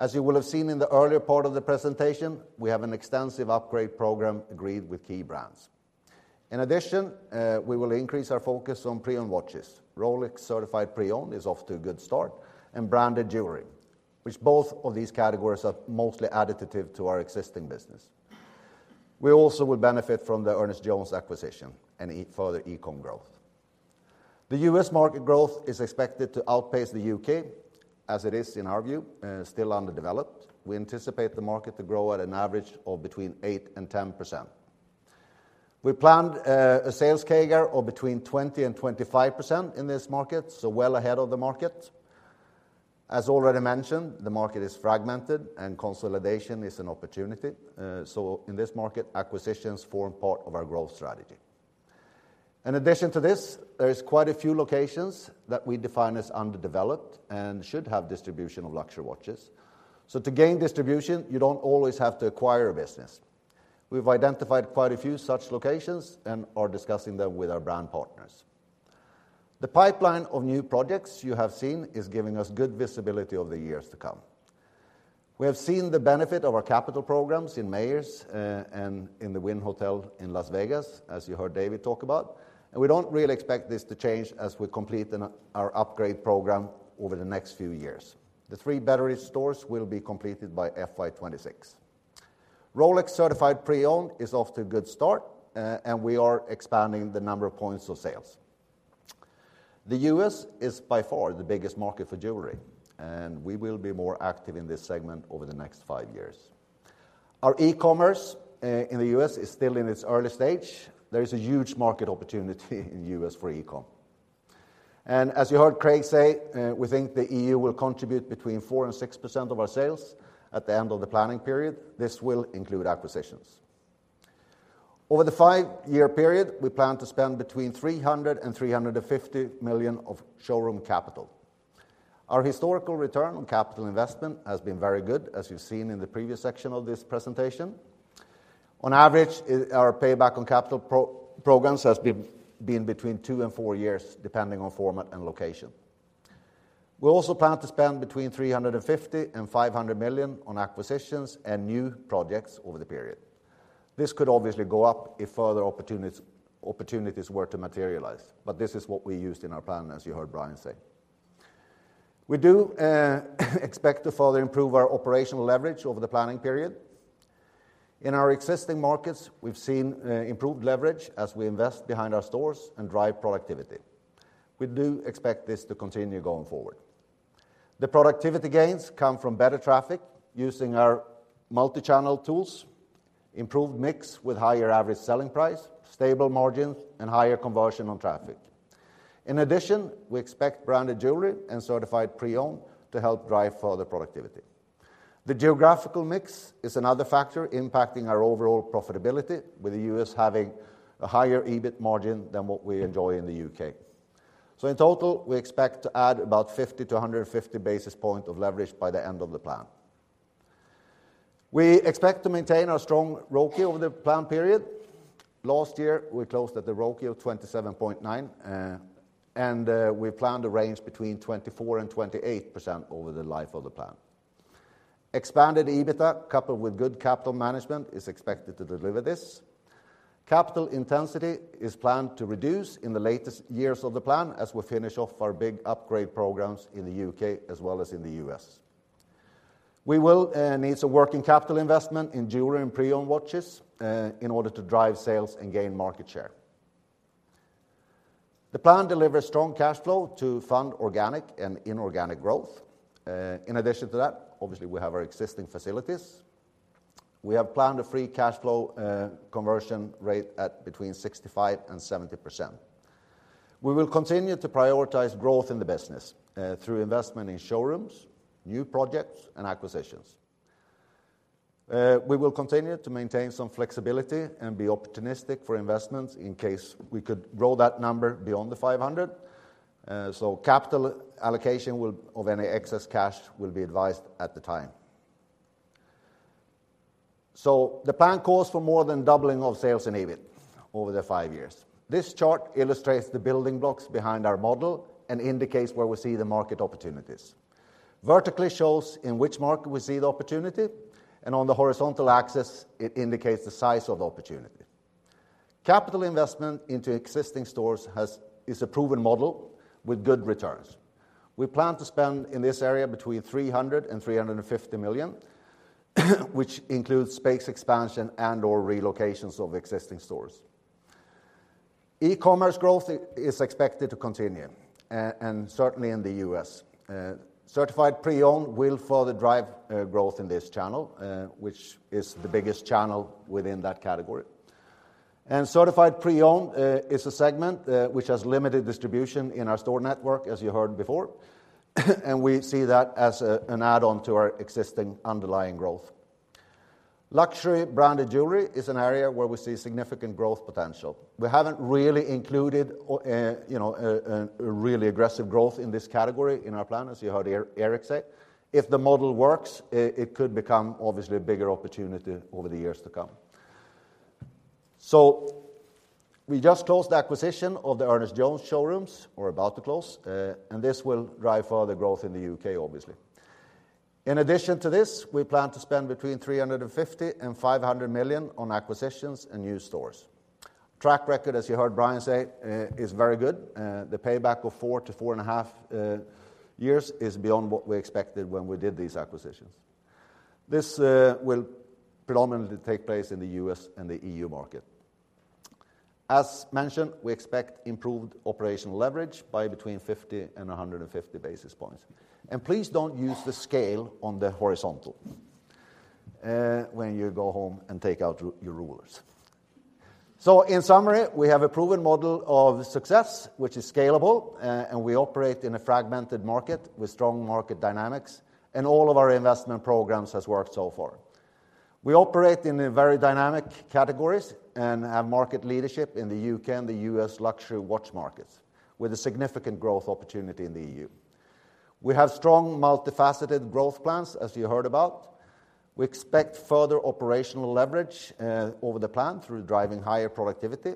As you will have seen in the earlier part of the presentation, we have an extensive upgrade program agreed with key brands. In addition, we will increase our focus on pre-owned watches. Rolex Certified Pre-Owned is off to a good start, and branded jewelry, which both of these categories are mostly additive to our existing business. We also will benefit from the Ernest Jones acquisition and further e-com growth. The US market growth is expected to outpace the U.K., as it is, in our view, still underdeveloped. We anticipate the market to grow at an average of between 8% and 10%. We planned a sales CAGR of between 20% and 25% in this market, so well ahead of the market. As already mentioned, the market is fragmented and consolidation is an opportunity, so in this market, acquisitions form part of our growth strategy. In addition to this, there is quite a few locations that we define as underdeveloped and should have distribution of luxury watches. So to gain distribution, you don't always have to acquire a business. We've identified quite a few such locations and are discussing them with our brand partners. The pipeline of new projects you have seen is giving us good visibility over the years to come. We have seen the benefit of our capital programs in Mayors and in the Wynn Resort in Las Vegas, as you heard David talk about, and we don't really expect this to change as we complete our upgrade program over the next few years. The three Battersea stores will be completed by FY 2026. Rolex Certified Pre-Owned is off to a good start, and we are expanding the number of points of sale. The U.S. is by far the biggest market for jewelry, and we will be more active in this segment over the next five years. Our e-commerce in the U.S. is still in its early stage. There is a huge market opportunity in the U.S. for e-com. And as you heard Craig say, we think the EU will contribute between 4% and 6% of our sales at the end of the planning period. This will include acquisitions. Over the five-year period, we plan to spend between 300 and 350 million of showroom capital. Our historical return on capital investment has been very good, as you've seen in the previous section of this presentation. On average, our payback on capital programs has been between two and four years, depending on format and location. We also plan to spend between 350 and 500 million on acquisitions and new projects over the period. This could obviously go up if further opportunities were to materialize, but this is what we used in our plan, as you heard Brian say. We do expect to further improve our operational leverage over the planning period. In our existing markets, we've seen improved leverage as we invest behind our stores and drive productivity. We do expect this to continue going forward. The productivity gains come from better traffic using our multi-channel tools, improved mix with higher average selling price, stable margins, and higher conversion on traffic. In addition, we expect branded jewelry and certified pre-owned to help drive further productivity. The geographical mix is another factor impacting our overall profitability, with the U.S. having a higher EBIT margin than what we enjoy in the U.K. So in total, we expect to add about 50 basis points-150 basis points of leverage by the end of the plan. We expect to maintain our strong ROCE over the plan period. Last year, we closed at the ROCE of 27.9, and we plan to range between 24% and 28% over the life of the plan. Expanded EBITDA, coupled with good capital management, is expected to deliver this. Capital intensity is planned to reduce in the latest years of the plan as we finish off our big upgrade programs in the U.K. as well as in the U.S. We will need some working capital investment in jewelry and pre-owned watches, in order to drive sales and gain market share. The plan delivers strong cash flow to fund organic and inorganic growth. In addition to that, obviously, we have our existing facilities. We have planned a free cash flow conversion rate at between 65% and 70%. We will continue to prioritize growth in the business through investment in showrooms, new projects, and acquisitions. We will continue to maintain some flexibility and be opportunistic for investments in case we could grow that number beyond the 500. So capital allocation will, of any excess cash, will be advised at the time. So the plan calls for more than doubling of sales and EBIT over the five years. This chart illustrates the building blocks behind our model and indicates where we see the market opportunities. Vertically shows in which market we see the opportunity, and on the horizontal axis, it indicates the size of the opportunity. Capital investment into existing stores has is a proven model with good returns. We plan to spend in this area between 300 million and 350 million, which includes space expansion and/or relocations of existing stores. E-commerce growth is expected to continue, and certainly in the U.S. Certified pre-owned will further drive growth in this channel, which is the biggest channel within that category. And certified pre-owned is a segment which has limited distribution in our store network, as you heard before, and we see that as a an add-on to our existing underlying growth. Luxury branded jewelry is an area where we see significant growth potential. We haven't really included or, you know, a really aggressive growth in this category in our plan, as you heard Eric say. If the model works, it, it could become obviously a bigger opportunity over the years to come. So we just closed the acquisition of the Ernest Jones showrooms or about to close, and this will drive further growth in the U.K., obviously. In addition to this, we plan to spend between 350 million and 500 million on acquisitions and new stores. Track record, as you heard Brian say, is very good. The payback of four to four and a half years is beyond what we expected when we did these acquisitions. This will predominantly take place in the U.S. and the EU market. As mentioned, we expect improved operational leverage by between 50 and 150 basis points. And please don't use the scale on the horizontal, when you go home and take out your, your rulers. So in summary, we have a proven model of success, which is scalable, and we operate in a fragmented market with strong market dynamics, and all of our investment programs has worked so far. We operate in a very dynamic categories and have market leadership in the U.K. and the U.S. luxury watch markets, with a significant growth opportunity in the EU. We have strong multifaceted growth plans, as you heard about. We expect further operational leverage, over the plan through driving higher productivity.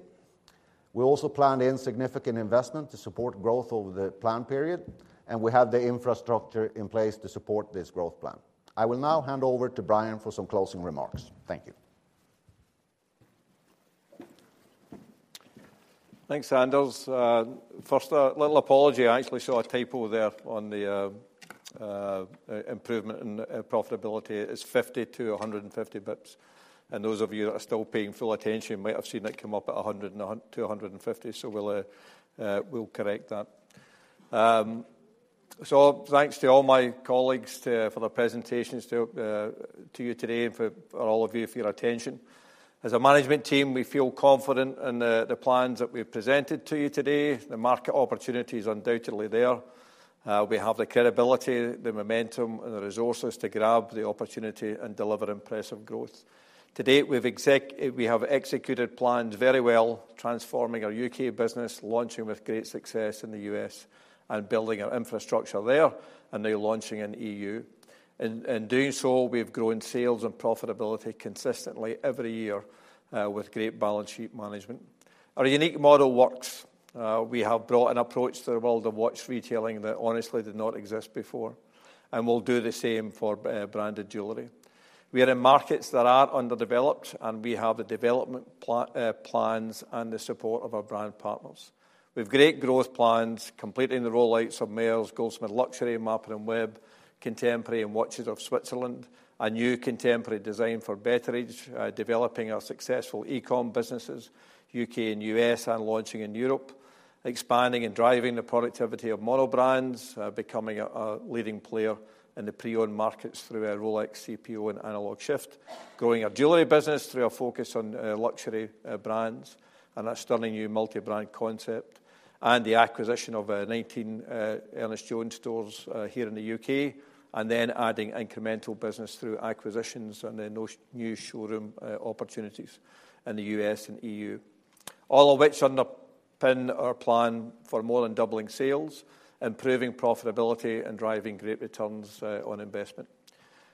We also plan in significant investment to support growth over the plan period, and we have the infrastructure in place to support this growth plan. I will now hand over to Brian for some closing remarks. Thank you. Thanks, Anders. First, a little apology. I actually saw a typo there on the improvement in profitability. It's 50 bps-150 bps, and those of you that are still paying full attention might have seen it come up at 100 bps-150 bps, so we'll correct that. So thanks to all my colleagues for their presentations to you today and for all of you for your attention. As a management team, we feel confident in the plans that we've presented to you today. The market opportunity is undoubtedly there. We have the credibility, the momentum, and the resources to grab the opportunity and deliver impressive growth. To date, we have executed plans very well, transforming our U.K. business, launching with great success in the U.S., and building our infrastructure there, and now launching in EU. In doing so, we have grown sales and profitability consistently every year, with great balance sheet management. Our unique model works. We have brought an approach to the world of watch retailing that honestly did not exist before and will do the same for branded jewelry. We are in markets that are underdeveloped, and we have the development plans and the support of our brand partners. We've great growth plans, completing the rollouts of Mayors, Goldsmiths Luxury, Mappin & Webb, Contemporary and Watches of Switzerland, a new contemporary design for Betteridge, developing our successful e-com businesses, U.K. and U.S., and launching in Europe, expanding and driving the productivity of monobrands, becoming a leading player in the pre-owned markets through our Rolex CPO and Analog Shift, growing our jewelry business through our focus on luxury brands and a stunning new multi-brand concept, and the acquisition of 19 Ernest Jones stores here in the U.K., and then adding incremental business through acquisitions and then those new showroom opportunities in the U.S. and EU. All of which underpin our plan for more than doubling sales, improving profitability, and driving great returns on investment.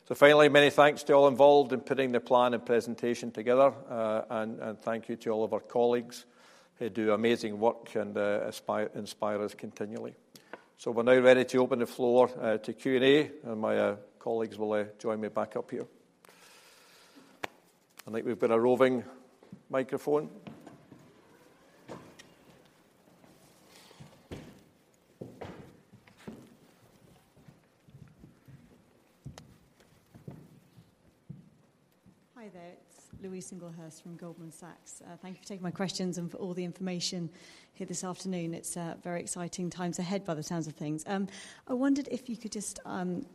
So finally, many thanks to all involved in putting the plan and presentation together, and thank you to all of our colleagues who do amazing work and inspire us continually. So we're now ready to open the floor to Q&A, and my colleagues will join me back up here. I think we've got a roving microphone. Hi there, it's Louise Singlehurst from Goldman Sachs. Thank you for taking my questions and for all the information here this afternoon. It's very exciting times ahead by the sounds of things. I wondered if you could just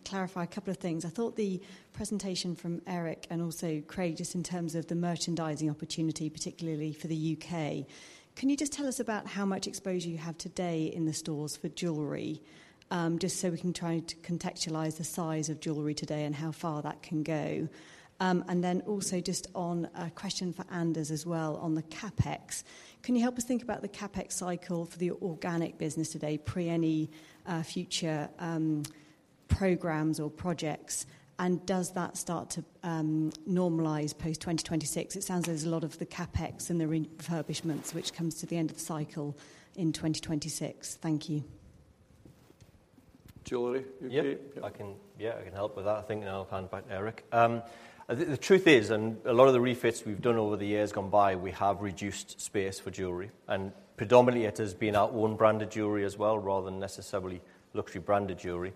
clarify a couple of things. I thought the presentation from Eric and also Craig, just in terms of the merchandising opportunity, particularly for the U.K., can you just tell us about how much exposure you have today in the stores for jewelry? And then also just on a question for Anders as well, on the CapEx. Can you help us think about the CapEx cycle for the organic business today, pre any future programs or projects? And does that start to normalize post-2026? It sounds there's a lot of the CapEx and the refurbishments, which comes to the end of the cycle in 2026. Thank you. Jewelry? U.K. Yep, I can, yeah, I can help with that, I think, and I'll hand back to Eric. The truth is, in a lot of the refits we've done over the years gone by, we have reduced space for jewelry. And predominantly, it has been our own branded jewelry as well, rather than necessarily luxury branded jewelry.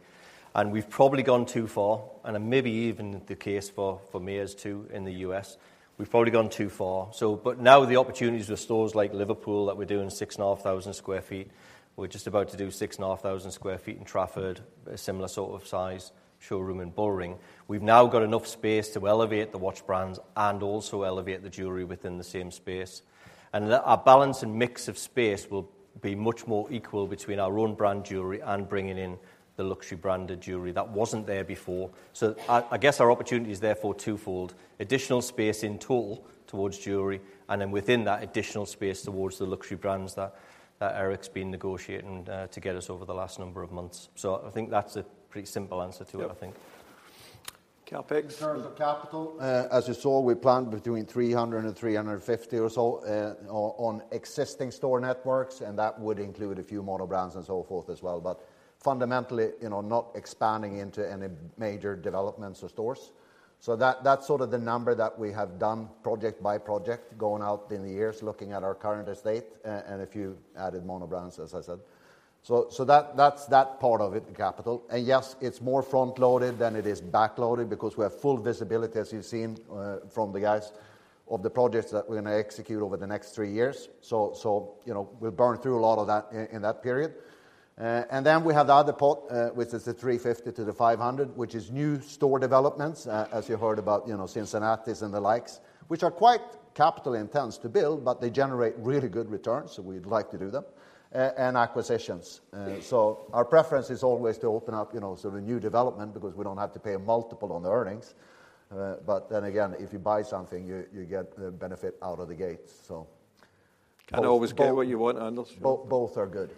And we've probably gone too far, and maybe even the case for Mayors too, in the U.S. We've probably gone too far. So but now the opportunities with stores like Liverpool, that we're doing 6,500 sq ft, we're just about to do 6,500 sq ft in Trafford, a similar sort of size showroom in Bullring. We've now got enough space to elevate the watch brands and also elevate the jewelry within the same space. Our balance and mix of space will be much more equal between our own brand jewelry and bringing in the luxury branded jewelry that wasn't there before. So I, I guess our opportunity is therefore twofold: additional space in total towards jewelry, and then within that, additional space towards the luxury brands that, that Eric's been negotiating to get us over the last number of months. So I think that's a pretty simple answer to it, I think. Yep. CapEx. In terms of capital, as you saw, we planned between 300 and 350 or so, on existing store networks, and that would include a few monobrands and so forth as well. But fundamentally, you know, not expanding into any major developments or stores. So that, that's sort of the number that we have done project by project, going out in the years, looking at our current estate, and a few added monobrands, as I said. So, you know, we'll burn through a lot of that in that period. And then we have the other pot, which is the 350-500, which is new store developments, as you heard about, you know, Cincinnati and the likes, which are quite capital-intensive to build, but they generate really good returns, so we'd like to do them, and acquisitions. So our preference is always to open up, you know, sort of new development because we don't have to pay a multiple on the earnings. But then again, if you buy something, you get the benefit out of the gate, so. Can't always get what you want, Anders. Both are good.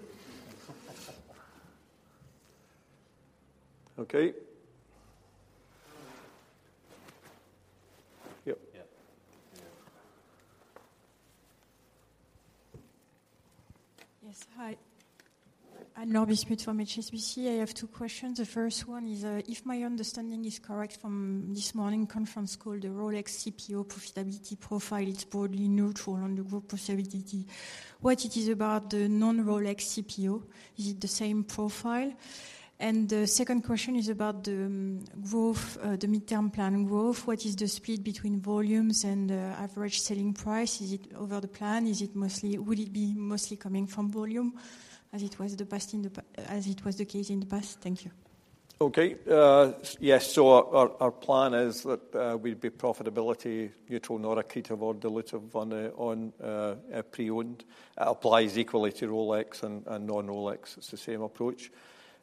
Okay. Yep. Yeah. Yes. Hi. Anne Bismuth from HSBC. I have two questions. The first one is, if my understanding is correct from this morning's conference call, the Rolex CPO profitability profile, it's broadly neutral on the group profitability. What is it about the non-Rolex CPO? Is it the same profile? And the second question is about the growth, the midterm plan growth. What is the split between volumes and average selling price? Is it over the plan? Will it be mostly coming from volume, as it was the case in the past? Thank you. Okay, yes. So our plan is that we'd be profitability neutral nor accretive or dilutive on pre-owned. It applies equally to Rolex and non-Rolex. It's the same approach.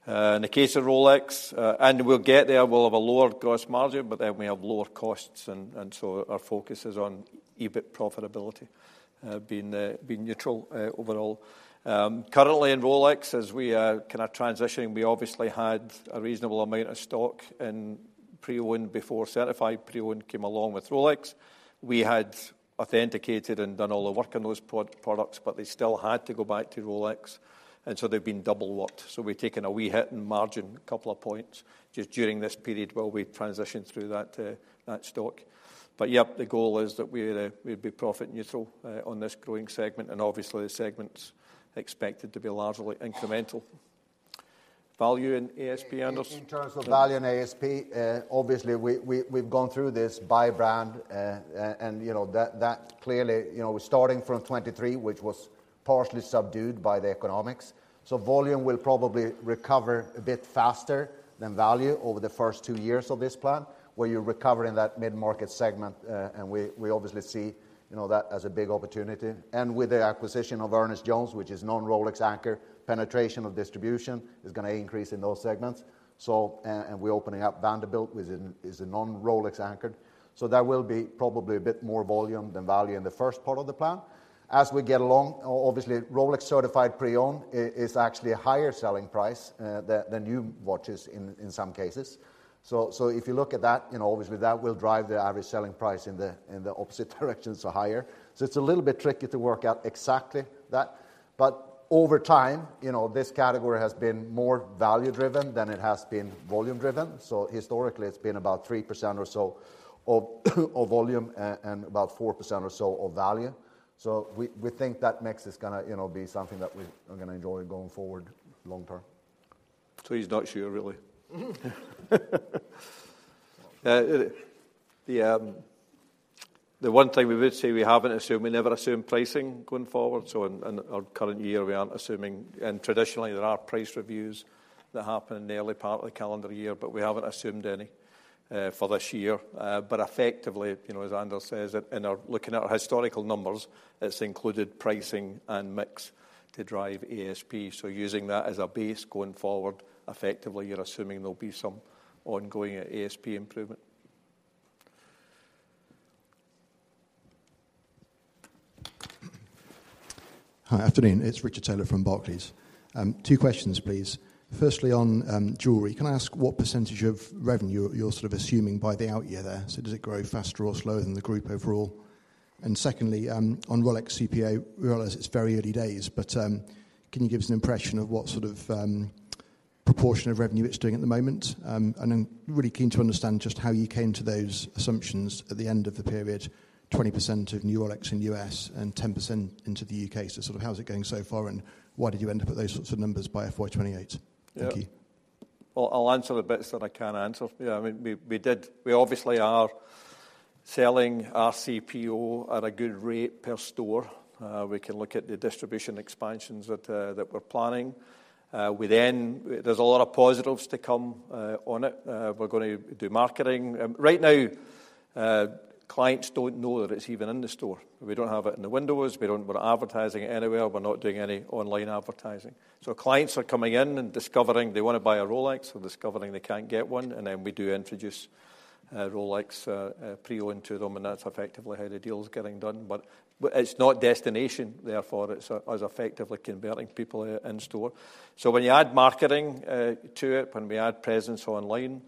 In the case of Rolex, and we'll get there, we'll have a lower gross margin, but then we have lower costs, and so our focus is on EBIT profitability, being neutral overall. Currently in Rolex, as we are kinda transitioning, we obviously had a reasonable amount of stock in pre-owned before certified pre-owned came along with Rolex. We had authenticated and done all the work on those products, but they still had to go back to Rolex, and so they've been double worked. So we've taken a wee hit in margin, a couple of points, just during this period while we transition through that stock. But yep, the goal is that we're, we'd be profit neutral, on this growing segment, and obviously, the segment's expected to be largely incremental. Value in ASP, Anders? In terms of value in ASP, obviously, we've gone through this by brand, and you know that clearly you know starting from 2023, which was partially subdued by the economics. So volume will probably recover a bit faster than value over the first two years of this plan, where you're recovering that mid-market segment, and we obviously see you know that as a big opportunity. And with the acquisition of Ernest Jones, which is non-Rolex anchor, penetration of distribution is gonna increase in those segments. So and we're opening up One Vanderbilt, which is a non-Rolex anchored. So there will be probably a bit more volume than value in the first part of the plan. As we get along, obviously, Rolex Certified Pre-Owned is actually a higher selling price than new watches in some cases. So if you look at that, you know, obviously, that will drive the average selling price in the opposite direction, so higher. So it's a little bit tricky to work out exactly that. But over time, you know, this category has been more value-driven than it has been volume-driven. So historically, it's been about 3% or so of volume and about 4% or so of value. So we think that mix is gonna, you know, be something that we are gonna enjoy going forward long term. So he's not sure, really. The one thing we would say, we haven't assumed, we never assume pricing going forward. So in our current year, we aren't assuming... And traditionally, there are price reviews that happen in the early part of the calendar year, but we haven't assumed any for this year. But effectively, you know, as Anders says, in our looking at our historical numbers, it's included pricing and mix to drive ASP. So using that as a base going forward, effectively, you're assuming there'll be some ongoing ASP improvement. Hi, afternoon. It's Richard Taylor from Barclays. Two questions, please. Firstly, on jewelry, can I ask what percentage of revenue you're sort of assuming by the out year there? So does it grow faster or slower than the group overall? And secondly, on Rolex CPO, we realize it's very early days, but can you give us an impression of what sort of proportion of revenue it's doing at the moment? And I'm really keen to understand just how you came to those assumptions at the end of the period, 20% of new Rolex in U.S. and 10% into the U.K. So sort of how is it going so far, and why did you end up with those sorts of numbers by FY 2028? Thank you. Well, I'll answer the bits that I can answer. Yeah, I mean, we obviously are selling our CPO at a good rate per store. We can look at the distribution expansions that we're planning. There's a lot of positives to come on it. We're going to do marketing. Right now, clients don't know that it's even in the store. We don't have it in the windows. We don't advertise anywhere. We're not doing any online advertising. So clients are coming in and discovering they want to buy a Rolex or discovering they can't get one, and then we do introduce Rolex pre-owned to them, and that's effectively how the deal is getting done. But it's not destination, therefore, it's effectively converting people in store. So when you add marketing to it, when we add presence online,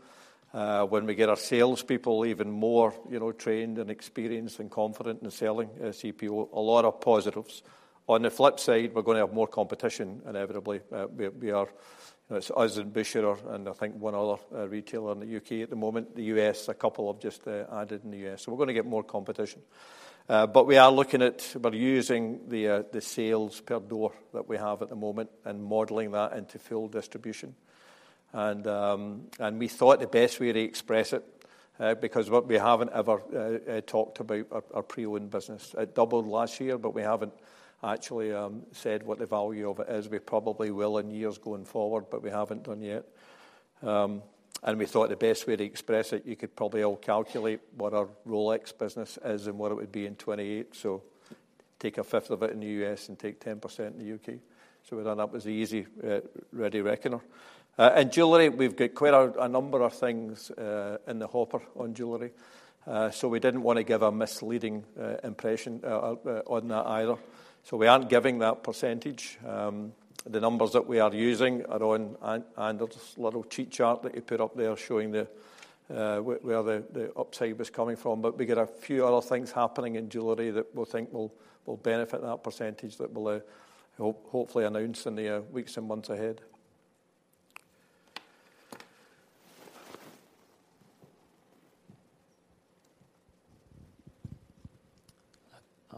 when we get our salespeople even more, you know, trained and experienced and confident in selling CPO, a lot of positives. On the flip side, we're gonna have more competition inevitably. We are, it's us and Bucherer, and I think one other retailer in the U.K. at the moment. The U.S., a couple have just added in the U.S., so we're gonna get more competition. But we are looking at, we're using the sales per door that we have at the moment and modeling that into full distribution. And we thought the best way to express it, because what we haven't ever talked about our pre-owned business. It doubled last year, but we haven't actually said what the value of it is. We probably will in years going forward, but we haven't done yet. And we thought the best way to express it, you could probably all calculate what our Rolex business is and what it would be in 2028. So take 20% of it in the U.S. and take 10% in the U.K. So we done that as the easy ready reckoner. In jewelry, we've got quite a number of things in the hopper on jewelry, so we didn't want to give a misleading impression on that either. So we aren't giving that percentage. The numbers that we are using are on, and there's a little cheat chart that you put up there showing where the upside was coming from. But we got a few other things happening in jewelry that we think will benefit that percentage that we'll hope, hopefully announce in the weeks and months ahead.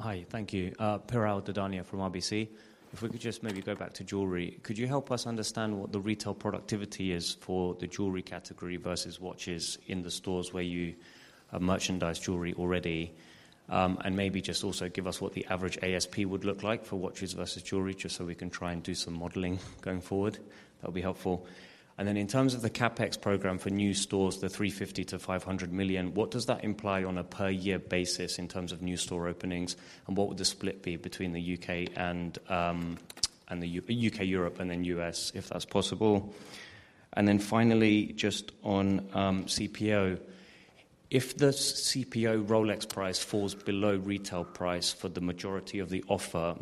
Hi, thank you. Piral Dadhania from RBC. If we could just maybe go back to jewelry, could you help us understand what the retail productivity is for the jewelry category versus watches in the stores where you merchandise jewelry already? And maybe just also give us what the average ASP would look like for watches versus jewelry, just so we can try and do some modeling going forward. That'll be helpful. And then in terms of the CapEx program for new stores, the 350 million-500 million, what does that imply on a per year basis in terms of new store openings? And what would the split be between the U.K., Europe, and the U.S., if that's possible? And then finally, just on CPO. If the CPO Rolex price falls below retail price for the majority of the offer,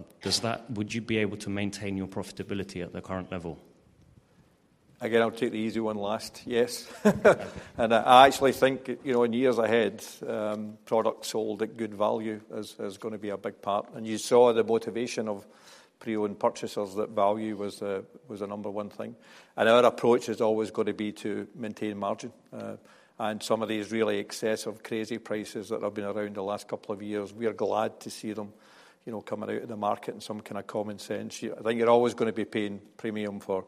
would you be able to maintain your profitability at the current level? Again, I'll take the easy one last. Yes. I actually think, you know, in years ahead, product sold at good value is gonna be a big part. And you saw the motivation of pre-owned purchasers that value was the number one thing. And our approach is always gonna be to maintain margin. And some of these really excessive, crazy prices that have been around the last couple of years, we are glad to see them, you know, coming out of the market in some kind of common sense. I think you're always gonna be paying premium for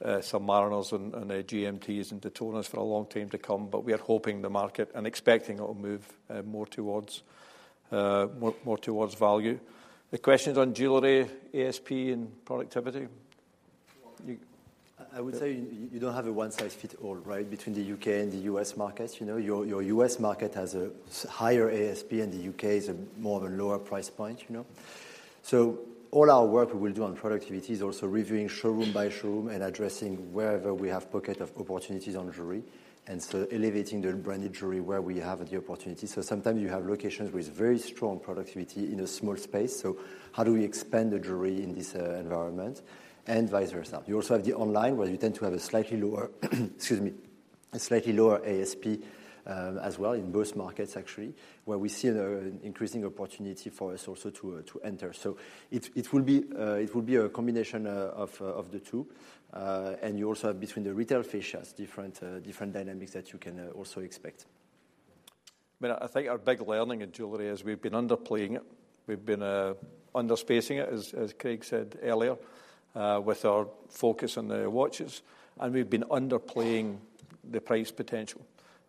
some Submariners and GMTs and Daytonas for a long time to come, but we are hoping the market and expecting it'll move more towards more towards value. The questions on jewelry, ASP, and productivity? You- I would say you don't have a one-size-fits-all, right, between the U.K. and the US markets. You know, your, your US market has a higher ASP, and the U.K. is a more of a lower price point, you know? So all our work we will do on productivity is also reviewing showroom by showroom and addressing wherever we have pocket of opportunities on jewelry, and so elevating the branded jewelry where we have the opportunity. So sometimes you have locations with very strong productivity in a small space. So how do we expand the jewelry in this environment and vice versa? You also have the online, where you tend to have a slightly lower, excuse me, a slightly lower ASP, as well in both markets, actually, where we see an increasing opportunity for us also to enter. It will be a combination of the two. You also have between the retail fascias different dynamics that you can also expect. But I think our big learning in jewelry is we've been underplaying it. We've been under spacing it, as Craig said earlier, with our focus on the watches, and we've been underplaying the price potential.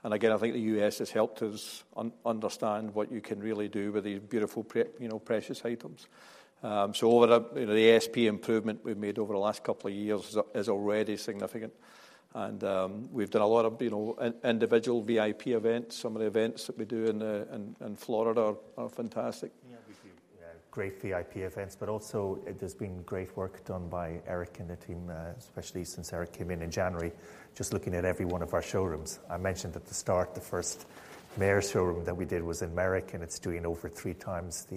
And again, I think the U.S. has helped us understand what you can really do with these beautiful precious items. So over the ASP improvement we've made over the last couple of years is already significant. And we've done a lot of, you know, individual VIP events. Some of the events that we do in Florida are fantastic. Great VIP events, but also there's been great work done by Eric and the team, especially since Eric came in in January, just looking at every one of our showrooms. I mentioned at the start, the first Mayors showroom that we did was in Merrick, and it's doing over 3x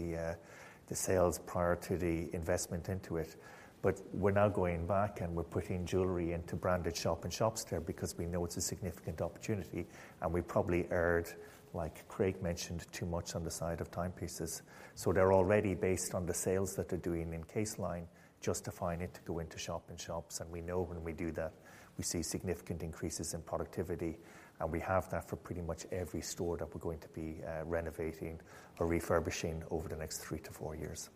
the sales prior to the investment into it. But we're now going back and we're putting jewelry into branded shop-in-shops there because we know it's a significant opportunity, and we probably erred, like Craig mentioned, too much on the side of timepieces. So they're already based on the sales that they're doing in case line, justifying it to go into shop-in-shops, and we know when we do that, we see significant increases in productivity, and we have that for pretty much every store that we're going to be renovating or refurbishing over the next three to four years.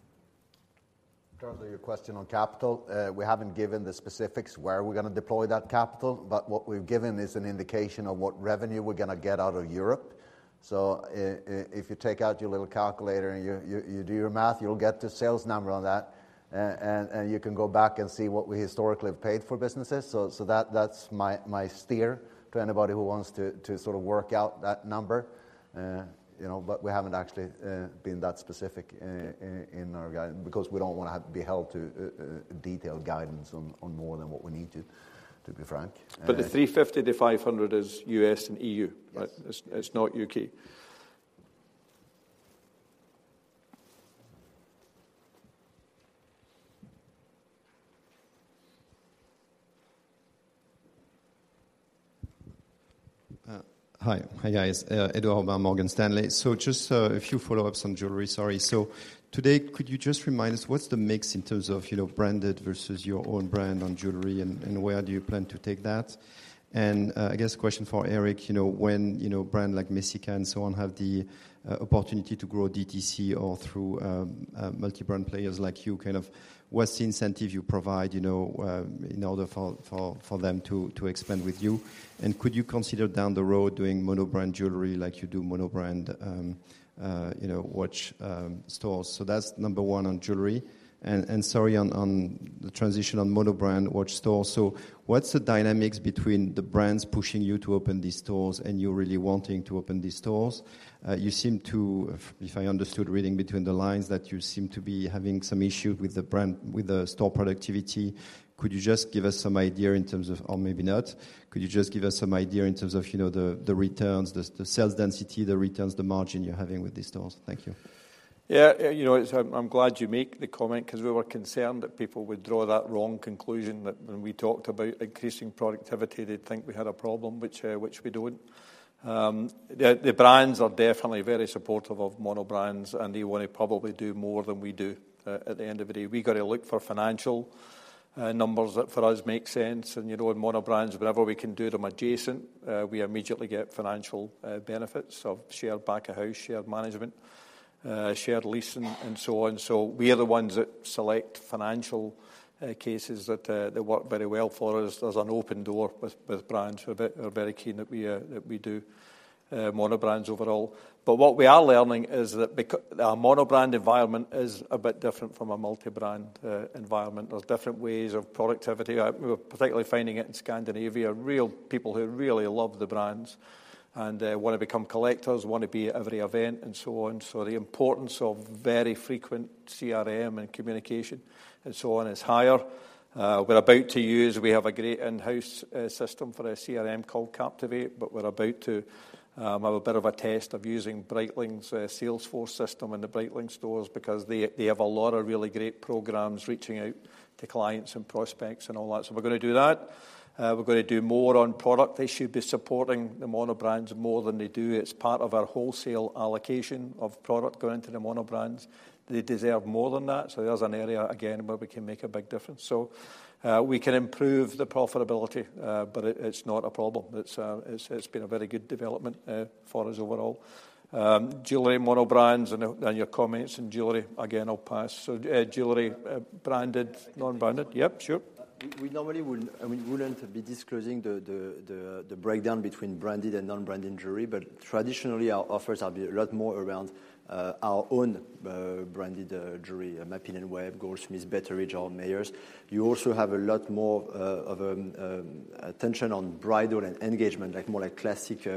In terms of your question on capital, we haven't given the specifics where we're gonna deploy that capital, but what we've given is an indication of what revenue we're gonna get out of Europe. So if you take out your little calculator and you do your math, you'll get the sales number on that. And you can go back and see what we historically have paid for businesses. So that that's my steer to anybody who wants to sort of work out that number. You know, but we haven't actually been that specific in our guide because we don't wanna have to be held to detailed guidance on more than what we need to, to be frank. The 350-500 is U.S. and EU, right? Yes. It's not U.K. Hi. Hi, guys, Edouard from Morgan Stanley. So just a few follow-ups on jewelry. Sorry. So today, could you just remind us, what's the mix in terms of, you know, branded versus your own brand on jewelry, and where do you plan to take that? And I guess question for Eric, you know, when brands like Messika and so on have the opportunity to grow DTC or through multi-brand players like you, kind of what's the incentive you provide, you know, in order for them to expand with you? And could you consider down the road doing mono-brand jewelry like you do mono-brand watch stores? So that's number one on jewelry. And sorry, on the transition on mono-brand watch store. So what's the dynamics between the brands pushing you to open these stores and you really wanting to open these stores? You seem to—if I understood reading between the lines—that you seem to be having some issue with the brand, with the store productivity. Could you just give us some idea in terms of... or maybe not. Could you just give us some idea in terms of, you know, the returns, the sales density, the returns, the margin you're having with these stores? Thank you. Yeah, you know, I'm glad you make the comment 'cause we were concerned that people would draw that wrong conclusion, that when we talked about increasing productivity, they'd think we had a problem, which we don't. The brands are definitely very supportive of monobrands, and they wanna probably do more than we do. At the end of the day, we got to look for financial numbers that for us make sense. And, you know, in monobrands, wherever we can do them adjacent, we immediately get financial benefits of shared back of house, shared management, shared leasing, and so on. So we are the ones that select financial cases that work very well for us. There's an open door with brands who are very keen that we do monobrands overall. But what we are learning is that a monobrand environment is a bit different from a multi-brand environment. There's different ways of productivity. We're particularly finding it in Scandinavia, real people who really love the brands and wanna become collectors, wanna be at every event and so on. So the importance of very frequent CRM and communication and so on is higher. We're about to use... We have a great in-house system for our CRM called Captivate, but we're about to have a bit of a test of using Breitling's Salesforce system in the Breitling stores because they have a lot of really great programs reaching out to clients and prospects and all that. So we're gonna do that. We're gonna do more on product. They should be supporting the monobrands more than they do. It's part of our wholesale allocation of product going to the monobrands. They deserve more than that, so there's an area, again, where we can make a big difference. So, we can improve the profitability, but it, it's not a problem. It's been a very good development for us overall. Jewelry, monobrands, and your comments on jewelry, again, I'll pass. So, jewelry, branded, non-branded? Yep, sure. We normally wouldn't be disclosing the breakdown between branded and non-branded jewelry, but traditionally, our offers are a lot more around our own branded jewelry, Mappin & Webb, Goldsmiths, Betteridge, or Mayors. You also have a lot more attention on bridal and engagement, like more like classic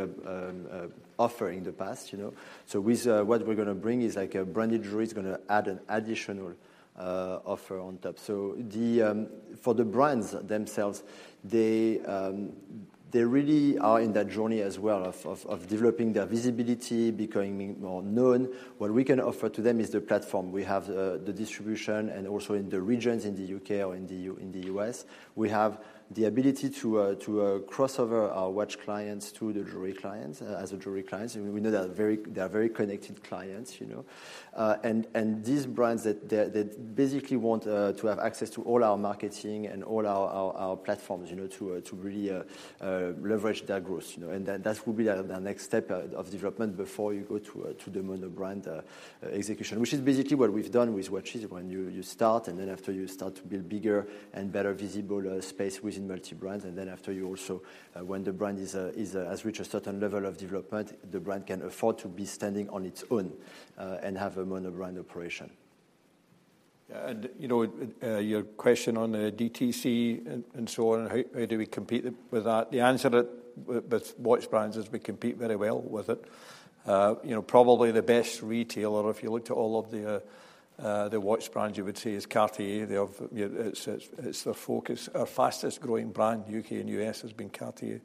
offering in the past, you know? So with what we're gonna bring is like a branded jewelry is gonna add an additional offer on top. So, for the brands themselves, they really are in that journey as well of developing their visibility, becoming more known. What we can offer to them is the platform. We have the distribution and also in the regions, in the U.K. or in the U.S., we have the ability to cross over our watch clients to the jewelry clients, as a jewelry clients. We know they are very, they are very connected clients, you know. And, and these brands that they, they basically want to have access to all our marketing and all our, our, our platforms, you know, to really leverage their growth, you know. And that, that will be the, the next step of, of development before you go to the mono-brand execution, which is basically what we've done with watches. When you start, and then after you start to build bigger and better visible space within multi-brand, and then after you also, when the brand has reached a certain level of development, the brand can afford to be standing on its own, and have a monobrand operation. And, you know, your question on the DTC and so on, and how do we compete with that? The answer with watch brands is we compete very well with it. You know, probably the best retailer, if you looked at all of the watch brands, you would say is Cartier. They have. It's their focus. Our fastest growing brand, U.K. and U.S., has been Cartier.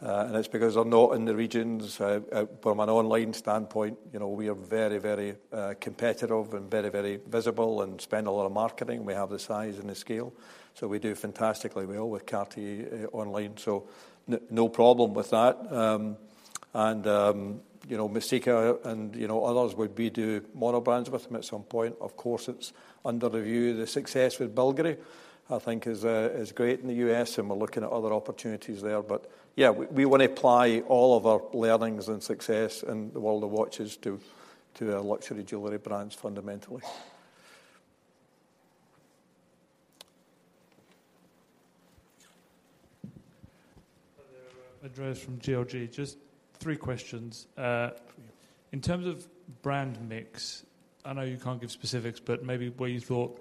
And it's because they're not in the regions. From an online standpoint, you know, we are very competitive and very visible and spend a lot of marketing. We have the size and the scale, so we do fantastically well with Cartier online. So no problem with that. And, you know, Messika and others, would we do mono-brand with them at some point? Of course, it's under review. The success with Bulgari, I think, is great in the U.S., and we're looking at other opportunities there. But yeah, we, we wanna apply all of our learnings and success in the world of watches to, to our luxury jewelry brands, fundamentally. Hi there, Andreas from GLG. Just three questions. In terms of brand mix, I know you can't give specifics, but maybe where you thought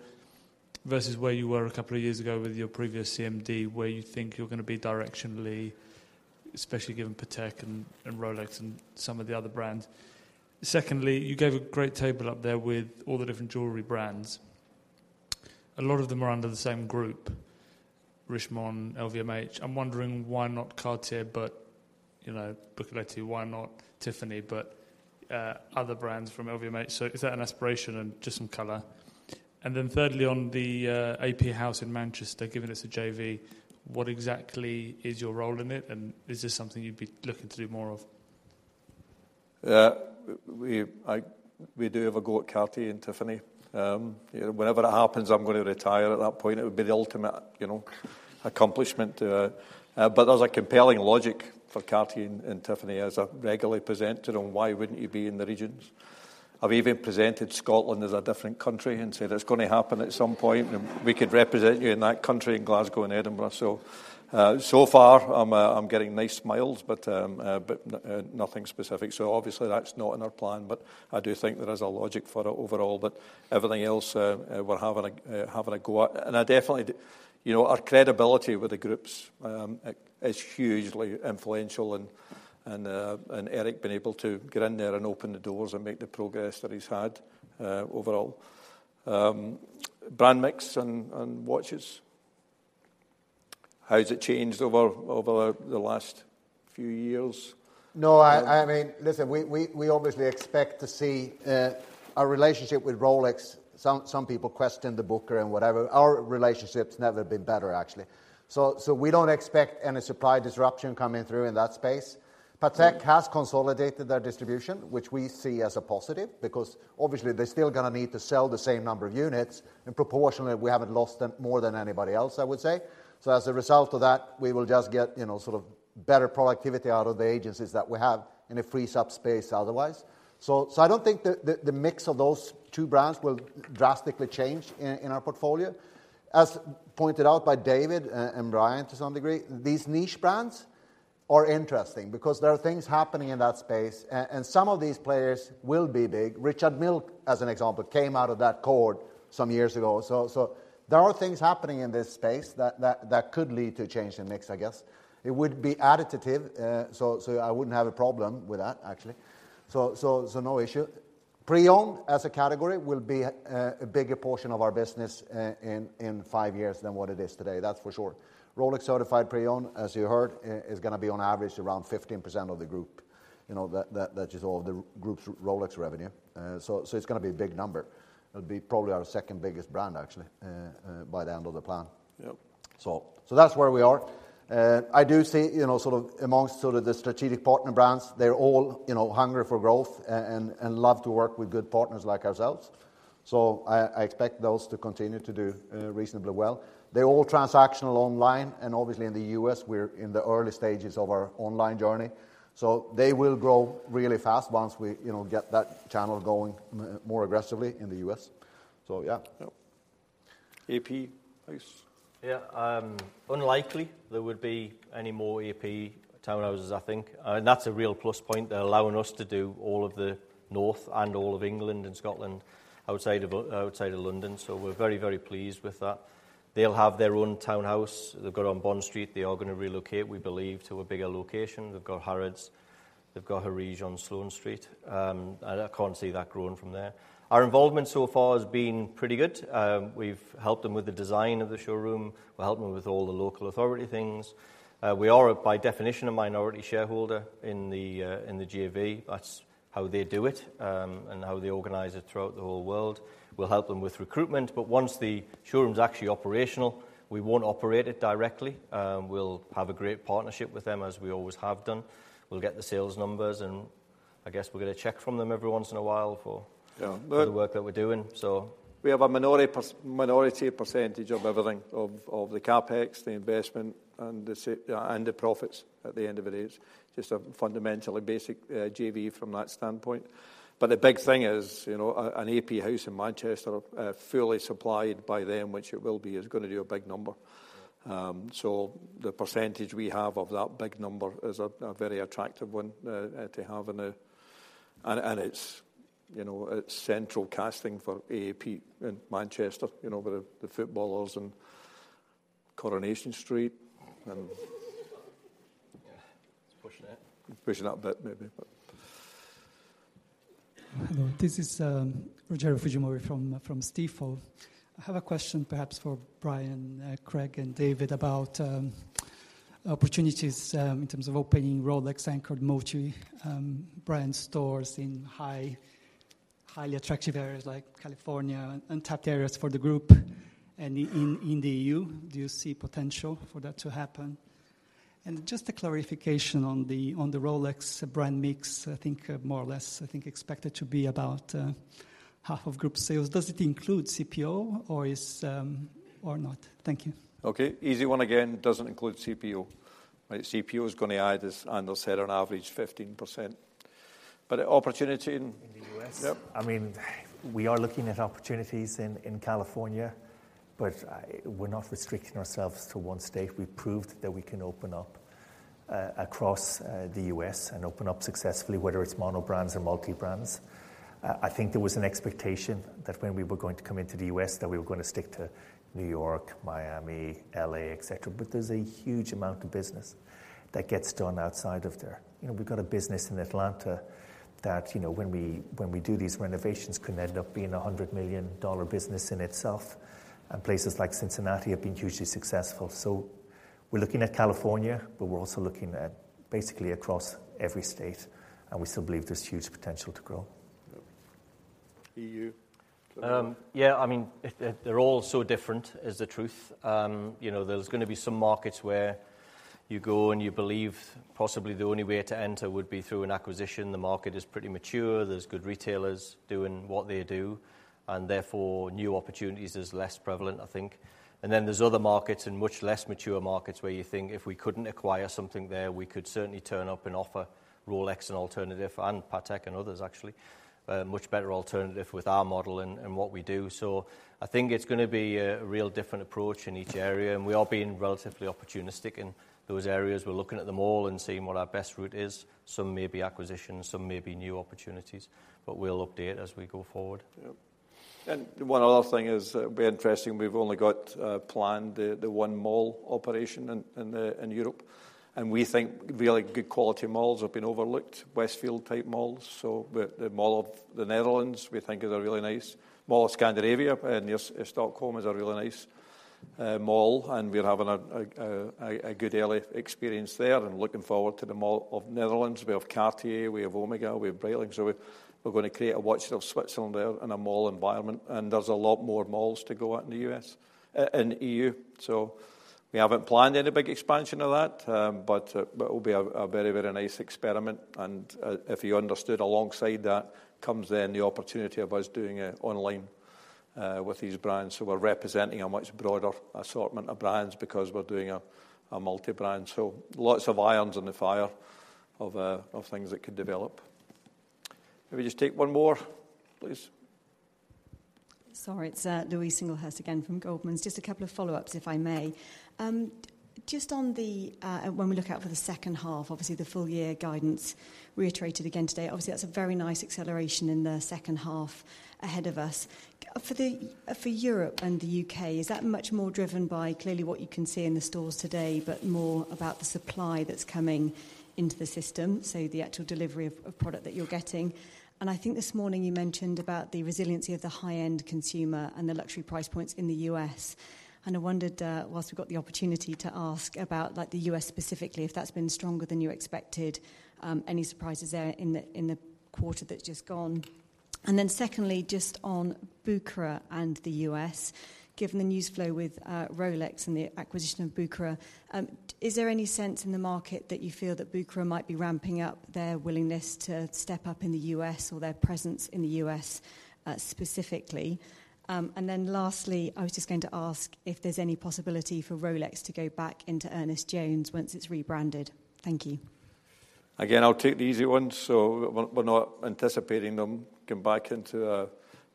versus where you were a couple of years ago with your previous CMD, where you think you're gonna be directionally, especially given Patek and Rolex and some of the other brands. Secondly, you gave a great table up there with all the different jewelry brands. A lot of them are under the same group, Richemont, LVMH. I'm wondering why not Cartier, but you know, Buccellati? Why not Tiffany, but other brands from LVMH? So is that an aspiration and just some color. And then thirdly, on the AP House in Manchester, given it's a JV, what exactly is your role in it, and is this something you'd be looking to do more of? We do have a go at Cartier and Tiffany. Whenever it happens, I'm gonna retire at that point. It would be the ultimate, you know, accomplishment. But there's a compelling logic for Cartier and Tiffany, as I've regularly presented, on why wouldn't you be in the regions? I've even presented Scotland as a different country and said, "It's gonna happen at some point, and we could represent you in that country, in Glasgow and Edinburgh." So, so far, I'm getting nice smiles, but nothing specific. So obviously, that's not in our plan, but I do think there is a logic for it overall. But everything else, we're having a go at. And I definitely... You know, our credibility with the groups is hugely influential, and Eric been able to get in there and open the doors and make the progress that he's had, overall. Brand mix and watches, how's it changed over the last few years? No, I mean, listen, we obviously expect to see our relationship with Rolex. Some people question the Bucherer and whatever. Our relationship's never been better, actually. So we don't expect any supply disruption coming through in that space. Patek has consolidated their distribution, which we see as a positive, because obviously, they're still gonna need to sell the same number of units, and proportionally, we haven't lost them more than anybody else, I would say. So as a result of that, we will just get, you know, sort of better productivity out of the agencies that we have and it frees up space otherwise. So I don't think the mix of those two brands will drastically change in our portfolio. As pointed out by David, and Brian, to some degree, these niche brands are interesting because there are things happening in that space, and some of these players will be big. Richard Mille, as an example, came out of that cohort some years ago. So, there are things happening in this space that could lead to a change in mix, I guess. It would be additive, so, I wouldn't have a problem with that, actually. So, no issue. Pre-owned, as a category, will be a bigger portion of our business in five years than what it is today. That's for sure. Rolex Certified Pre-Owned, as you heard, is gonna be on average around 15% of the group. You know, that is all of the group's Rolex revenue. So, so it's gonna be a big number. It'll be probably our second biggest brand, actually, by the end of the plan. Yep. So that's where we are. I do see, you know, sort of amongst sort of the strategic partner brands, they're all, you know, hungry for growth and, and love to work with good partners like ourselves. So I expect those to continue to do reasonably well. They're all transactional online, and obviously, in the U.S., we're in the early stages of our online journey. So they will grow really fast once we, you know, get that channel going more aggressively in the U.S. So, yeah. Yep. AP, please. Yeah, unlikely there would be any more AP townhouses, I think. And that's a real plus point. They're allowing us to do all of the North and all of England and Scotland outside of, outside of London, so we're very, very pleased with that. They'll have their own townhouse. They've got it on Bond Street. They are gonna relocate, we believe, to a bigger location. They've got Harrods. They've got Arije on Sloane Street. And I can't see that growing from there. Our involvement so far has been pretty good. We've helped them with the design of the showroom. We're helping them with all the local authority things. We are, by definition, a minority shareholder in the, in the JV. That's how they do it, and how they organize it throughout the whole world. We'll help them with recruitment, but once the showroom's actually operational, we won't operate it directly. We'll have a great partnership with them, as we always have done. We'll get the sales numbers, and I guess we'll get a check from them every once in a while for- Yeah The work that we're doing, so. We have a minority percentage of everything, of the CapEx, the investment, and the profits at the end of the day. It's just a fundamentally basic JV from that standpoint. But the big thing is, you know, an AP House in Manchester, fully supplied by them, which it will be, is gonna do a big number. So the percentage we have of that big number is a very attractive one to have in there. And it's, you know, it's central casting for AP in Manchester, you know, with the footballers and Coronation Street, and- Yeah, it's pushing it. Pushing that a bit maybe, but. Hello, this is Rogerio Fujimori from Stifel. I have a question perhaps for Brian, Craig, and David about opportunities in terms of opening Rolex-anchored multi-brand stores in highly attractive areas like California, untapped areas for the group and in the EU. Do you see potential for that to happen? And just a clarification on the Rolex brand mix, I think more or less, I think expected to be about half of group sales. Does it include CPO, or is or not? Thank you. Okay, easy one again, doesn't include CPO. Right, CPO is gonna add, as Anders said, on average, 15%. But the opportunity in- In the U.S.? Yep. I mean, we are looking at opportunities in California, but we're not restricting ourselves to one state. We've proved that we can open up across the U.S. and open up successfully, whether it's monobrands or multi-brands. I think there was an expectation that when we were going to come into the U.S., that we were gonna stick to New York, Miami, L.A., et cetera. But there's a huge amount of business that gets done outside of there. You know, we've got a business in Atlanta that, you know, when we do these renovations, can end up being a $100 million business in itself. And places like Cincinnati have been hugely successful. So we're looking at California, but we're also looking at basically across every state, and we still believe there's huge potential to grow. Yep. EU? Yeah, I mean, they're all so different is the truth. You know, there's gonna be some markets where you go, and you believe possibly the only way to enter would be through an acquisition. The market is pretty mature. There's good retailers doing what they do, and therefore, new opportunities is less prevalent, I think. And then there's other markets and much less mature markets where you think if we couldn't acquire something there, we could certainly turn up and offer Rolex an alternative, and Patek and others actually, a much better alternative with our model and what we do. So I think it's gonna be a real different approach in each area, and we are being relatively opportunistic in those areas. We're looking at them all and seeing what our best route is. Some may be acquisitions, some may be new opportunities, but we'll update as we go forward. Yep. One other thing is very interesting. We've only got planned the one mall operation in Europe, and we think really good quality malls have been overlooked, Westfield-type malls. So the Mall of the Netherlands, we think, is a really nice. Mall of Scandinavia, in Stockholm is a really nice mall, and we're having a good early experience there and looking forward to the Mall of the Netherlands. We have Cartier, we have Omega, we have Breitling. So we're gonna create a Watches of Switzerland there in a mall environment, and there's a lot more malls to go out in the U.S., in EU. So we haven't planned any big expansion of that, but it will be a very, very nice experiment. If you understood alongside that, comes then the opportunity of us doing it online with these brands. So we're representing a much broader assortment of brands because we're doing a multi-brand. So lots of irons in the fire of things that could develop. Maybe just take one more, please. Sorry, it's Louise Singlehurst again from Goldman's. Just a couple of follow-ups, if I may. Just on the when we look out for the second half, obviously, the full-year guidance reiterated again today. Obviously, that's a very nice acceleration in the second half ahead of us. For Europe and the U.K., is that much more driven by clearly what you can see in the stores today, but more about the supply that's coming into the system, so the actual delivery of product that you're getting? And I think this morning you mentioned about the resiliency of the high-end consumer and the luxury price points in the U.S. And I wondered, whilst we've got the opportunity to ask about, like the US specifically, if that's been stronger than you expected, any surprises there in the quarter that's just gone? And then secondly, just on Bucherer and the U.S., given the news flow with, Rolex and the acquisition of Bucherer, is there any sense in the market that you feel that Bucherer might be ramping up their willingness to step up in the U.S. or their presence in the U.S., specifically? And then lastly, I was just going to ask if there's any possibility for Rolex to go back into Ernest Jones once it's rebranded. Thank you. Again, I'll take the easy one. So we're not anticipating them come back into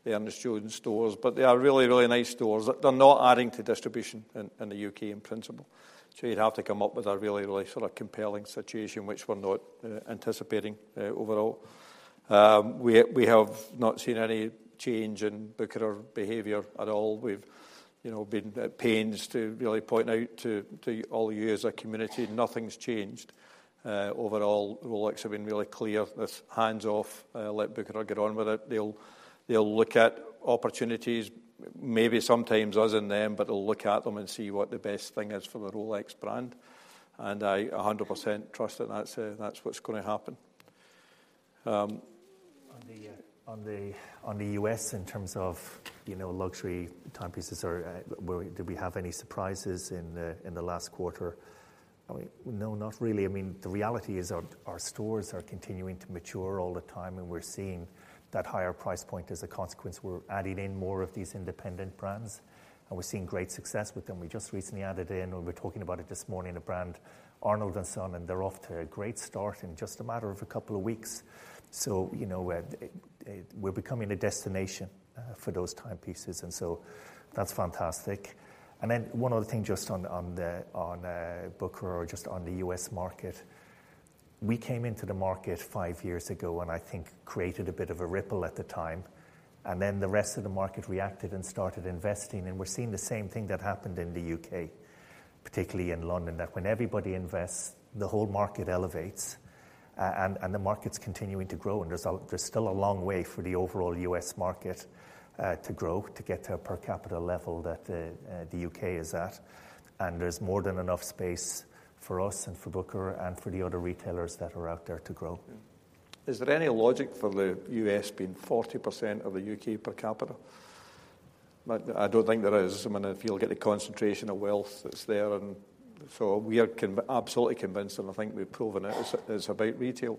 the Ernest Jones stores, but they are really, really nice stores. They're not adding to distribution in the U.K., in principle. So you'd have to come up with a really, really sort of compelling situation, which we're not anticipating overall. We have not seen any change in Bucherer behavior at all. We've, you know, been at pains to really point out to all of you as a community, nothing's changed. Overall, Rolex have been really clear. It's hands-off, let Bucherer get on with it. They'll look at opportunities, maybe sometimes us and them, but they'll look at them and see what the best thing is for the Rolex brand. And I 100% trust that that's what's gonna happen. On the U.S., in terms of, you know, luxury timepieces or, did we have any surprises in the last quarter? I mean, no, not really. I mean, the reality is our stores are continuing to mature all the time, and we're seeing that higher price point as a consequence. We're adding in more of these independent brands, and we're seeing great success with them. We just recently added in, and we were talking about it this morning, a brand, Arnold & Son, and they're off to a great start in just a matter of a couple of weeks. So, you know, we're becoming a destination for those timepieces, and so that's fantastic. And then one other thing, just on the Bucherer, just on the US market. We came into the market five years ago, and I think created a bit of a ripple at the time, and then the rest of the market reacted and started investing, and we're seeing the same thing that happened in the U.K., particularly in London, that when everybody invests, the whole market elevates. And the market's continuing to grow, and there's still a long way for the overall US market to grow, to get to a per capita level that the U.K. is at, and there's more than enough space for us and for Bucherer and for the other retailers that are out there to grow. Is there any logic for the U.S. being 40% of the U.K. per capita? But I don't think there is. I mean, if you look at the concentration of wealth that's there and... So we are absolutely convinced, and I think we've proven it; it's about retail.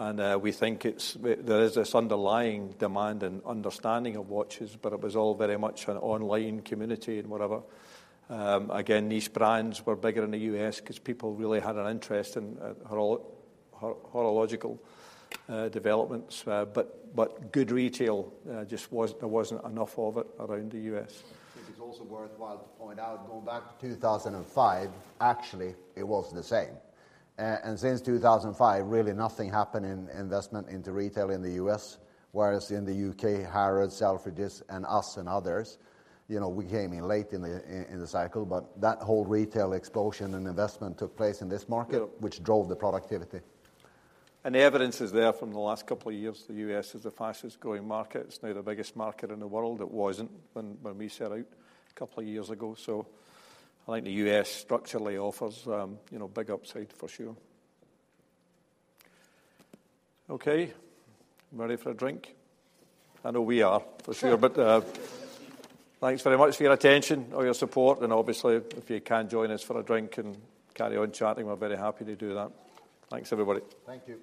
And we think it's; there is this underlying demand and understanding of watches, but it was all very much an online community and whatever. Again, these brands were bigger in the U.S. because people really had an interest in horological developments, but good retail just wasn't; there wasn't enough of it around the U.S. I think it's also worthwhile to point out, going back to 2005, actually, it was the same. And since 2005, really nothing happened in investment into retail in the U.S., whereas in the U.K., Harrods, Selfridges, and us, and others, you know, we came in late in the, in, in the cycle, but that whole retail explosion and investment took place in this market- Yeah which drove the productivity. The evidence is there from the last couple of years, the U.S. is the fastest-growing market. It's now the biggest market in the world. It wasn't when we set out a couple of years ago, so I think the U.S. structurally offers, you know, big upside for sure. Okay, ready for a drink? I know we are, for sure. But, thanks very much for your attention, all your support, and obviously, if you can join us for a drink and carry on chatting, we're very happy to do that. Thanks, everybody. Thank you.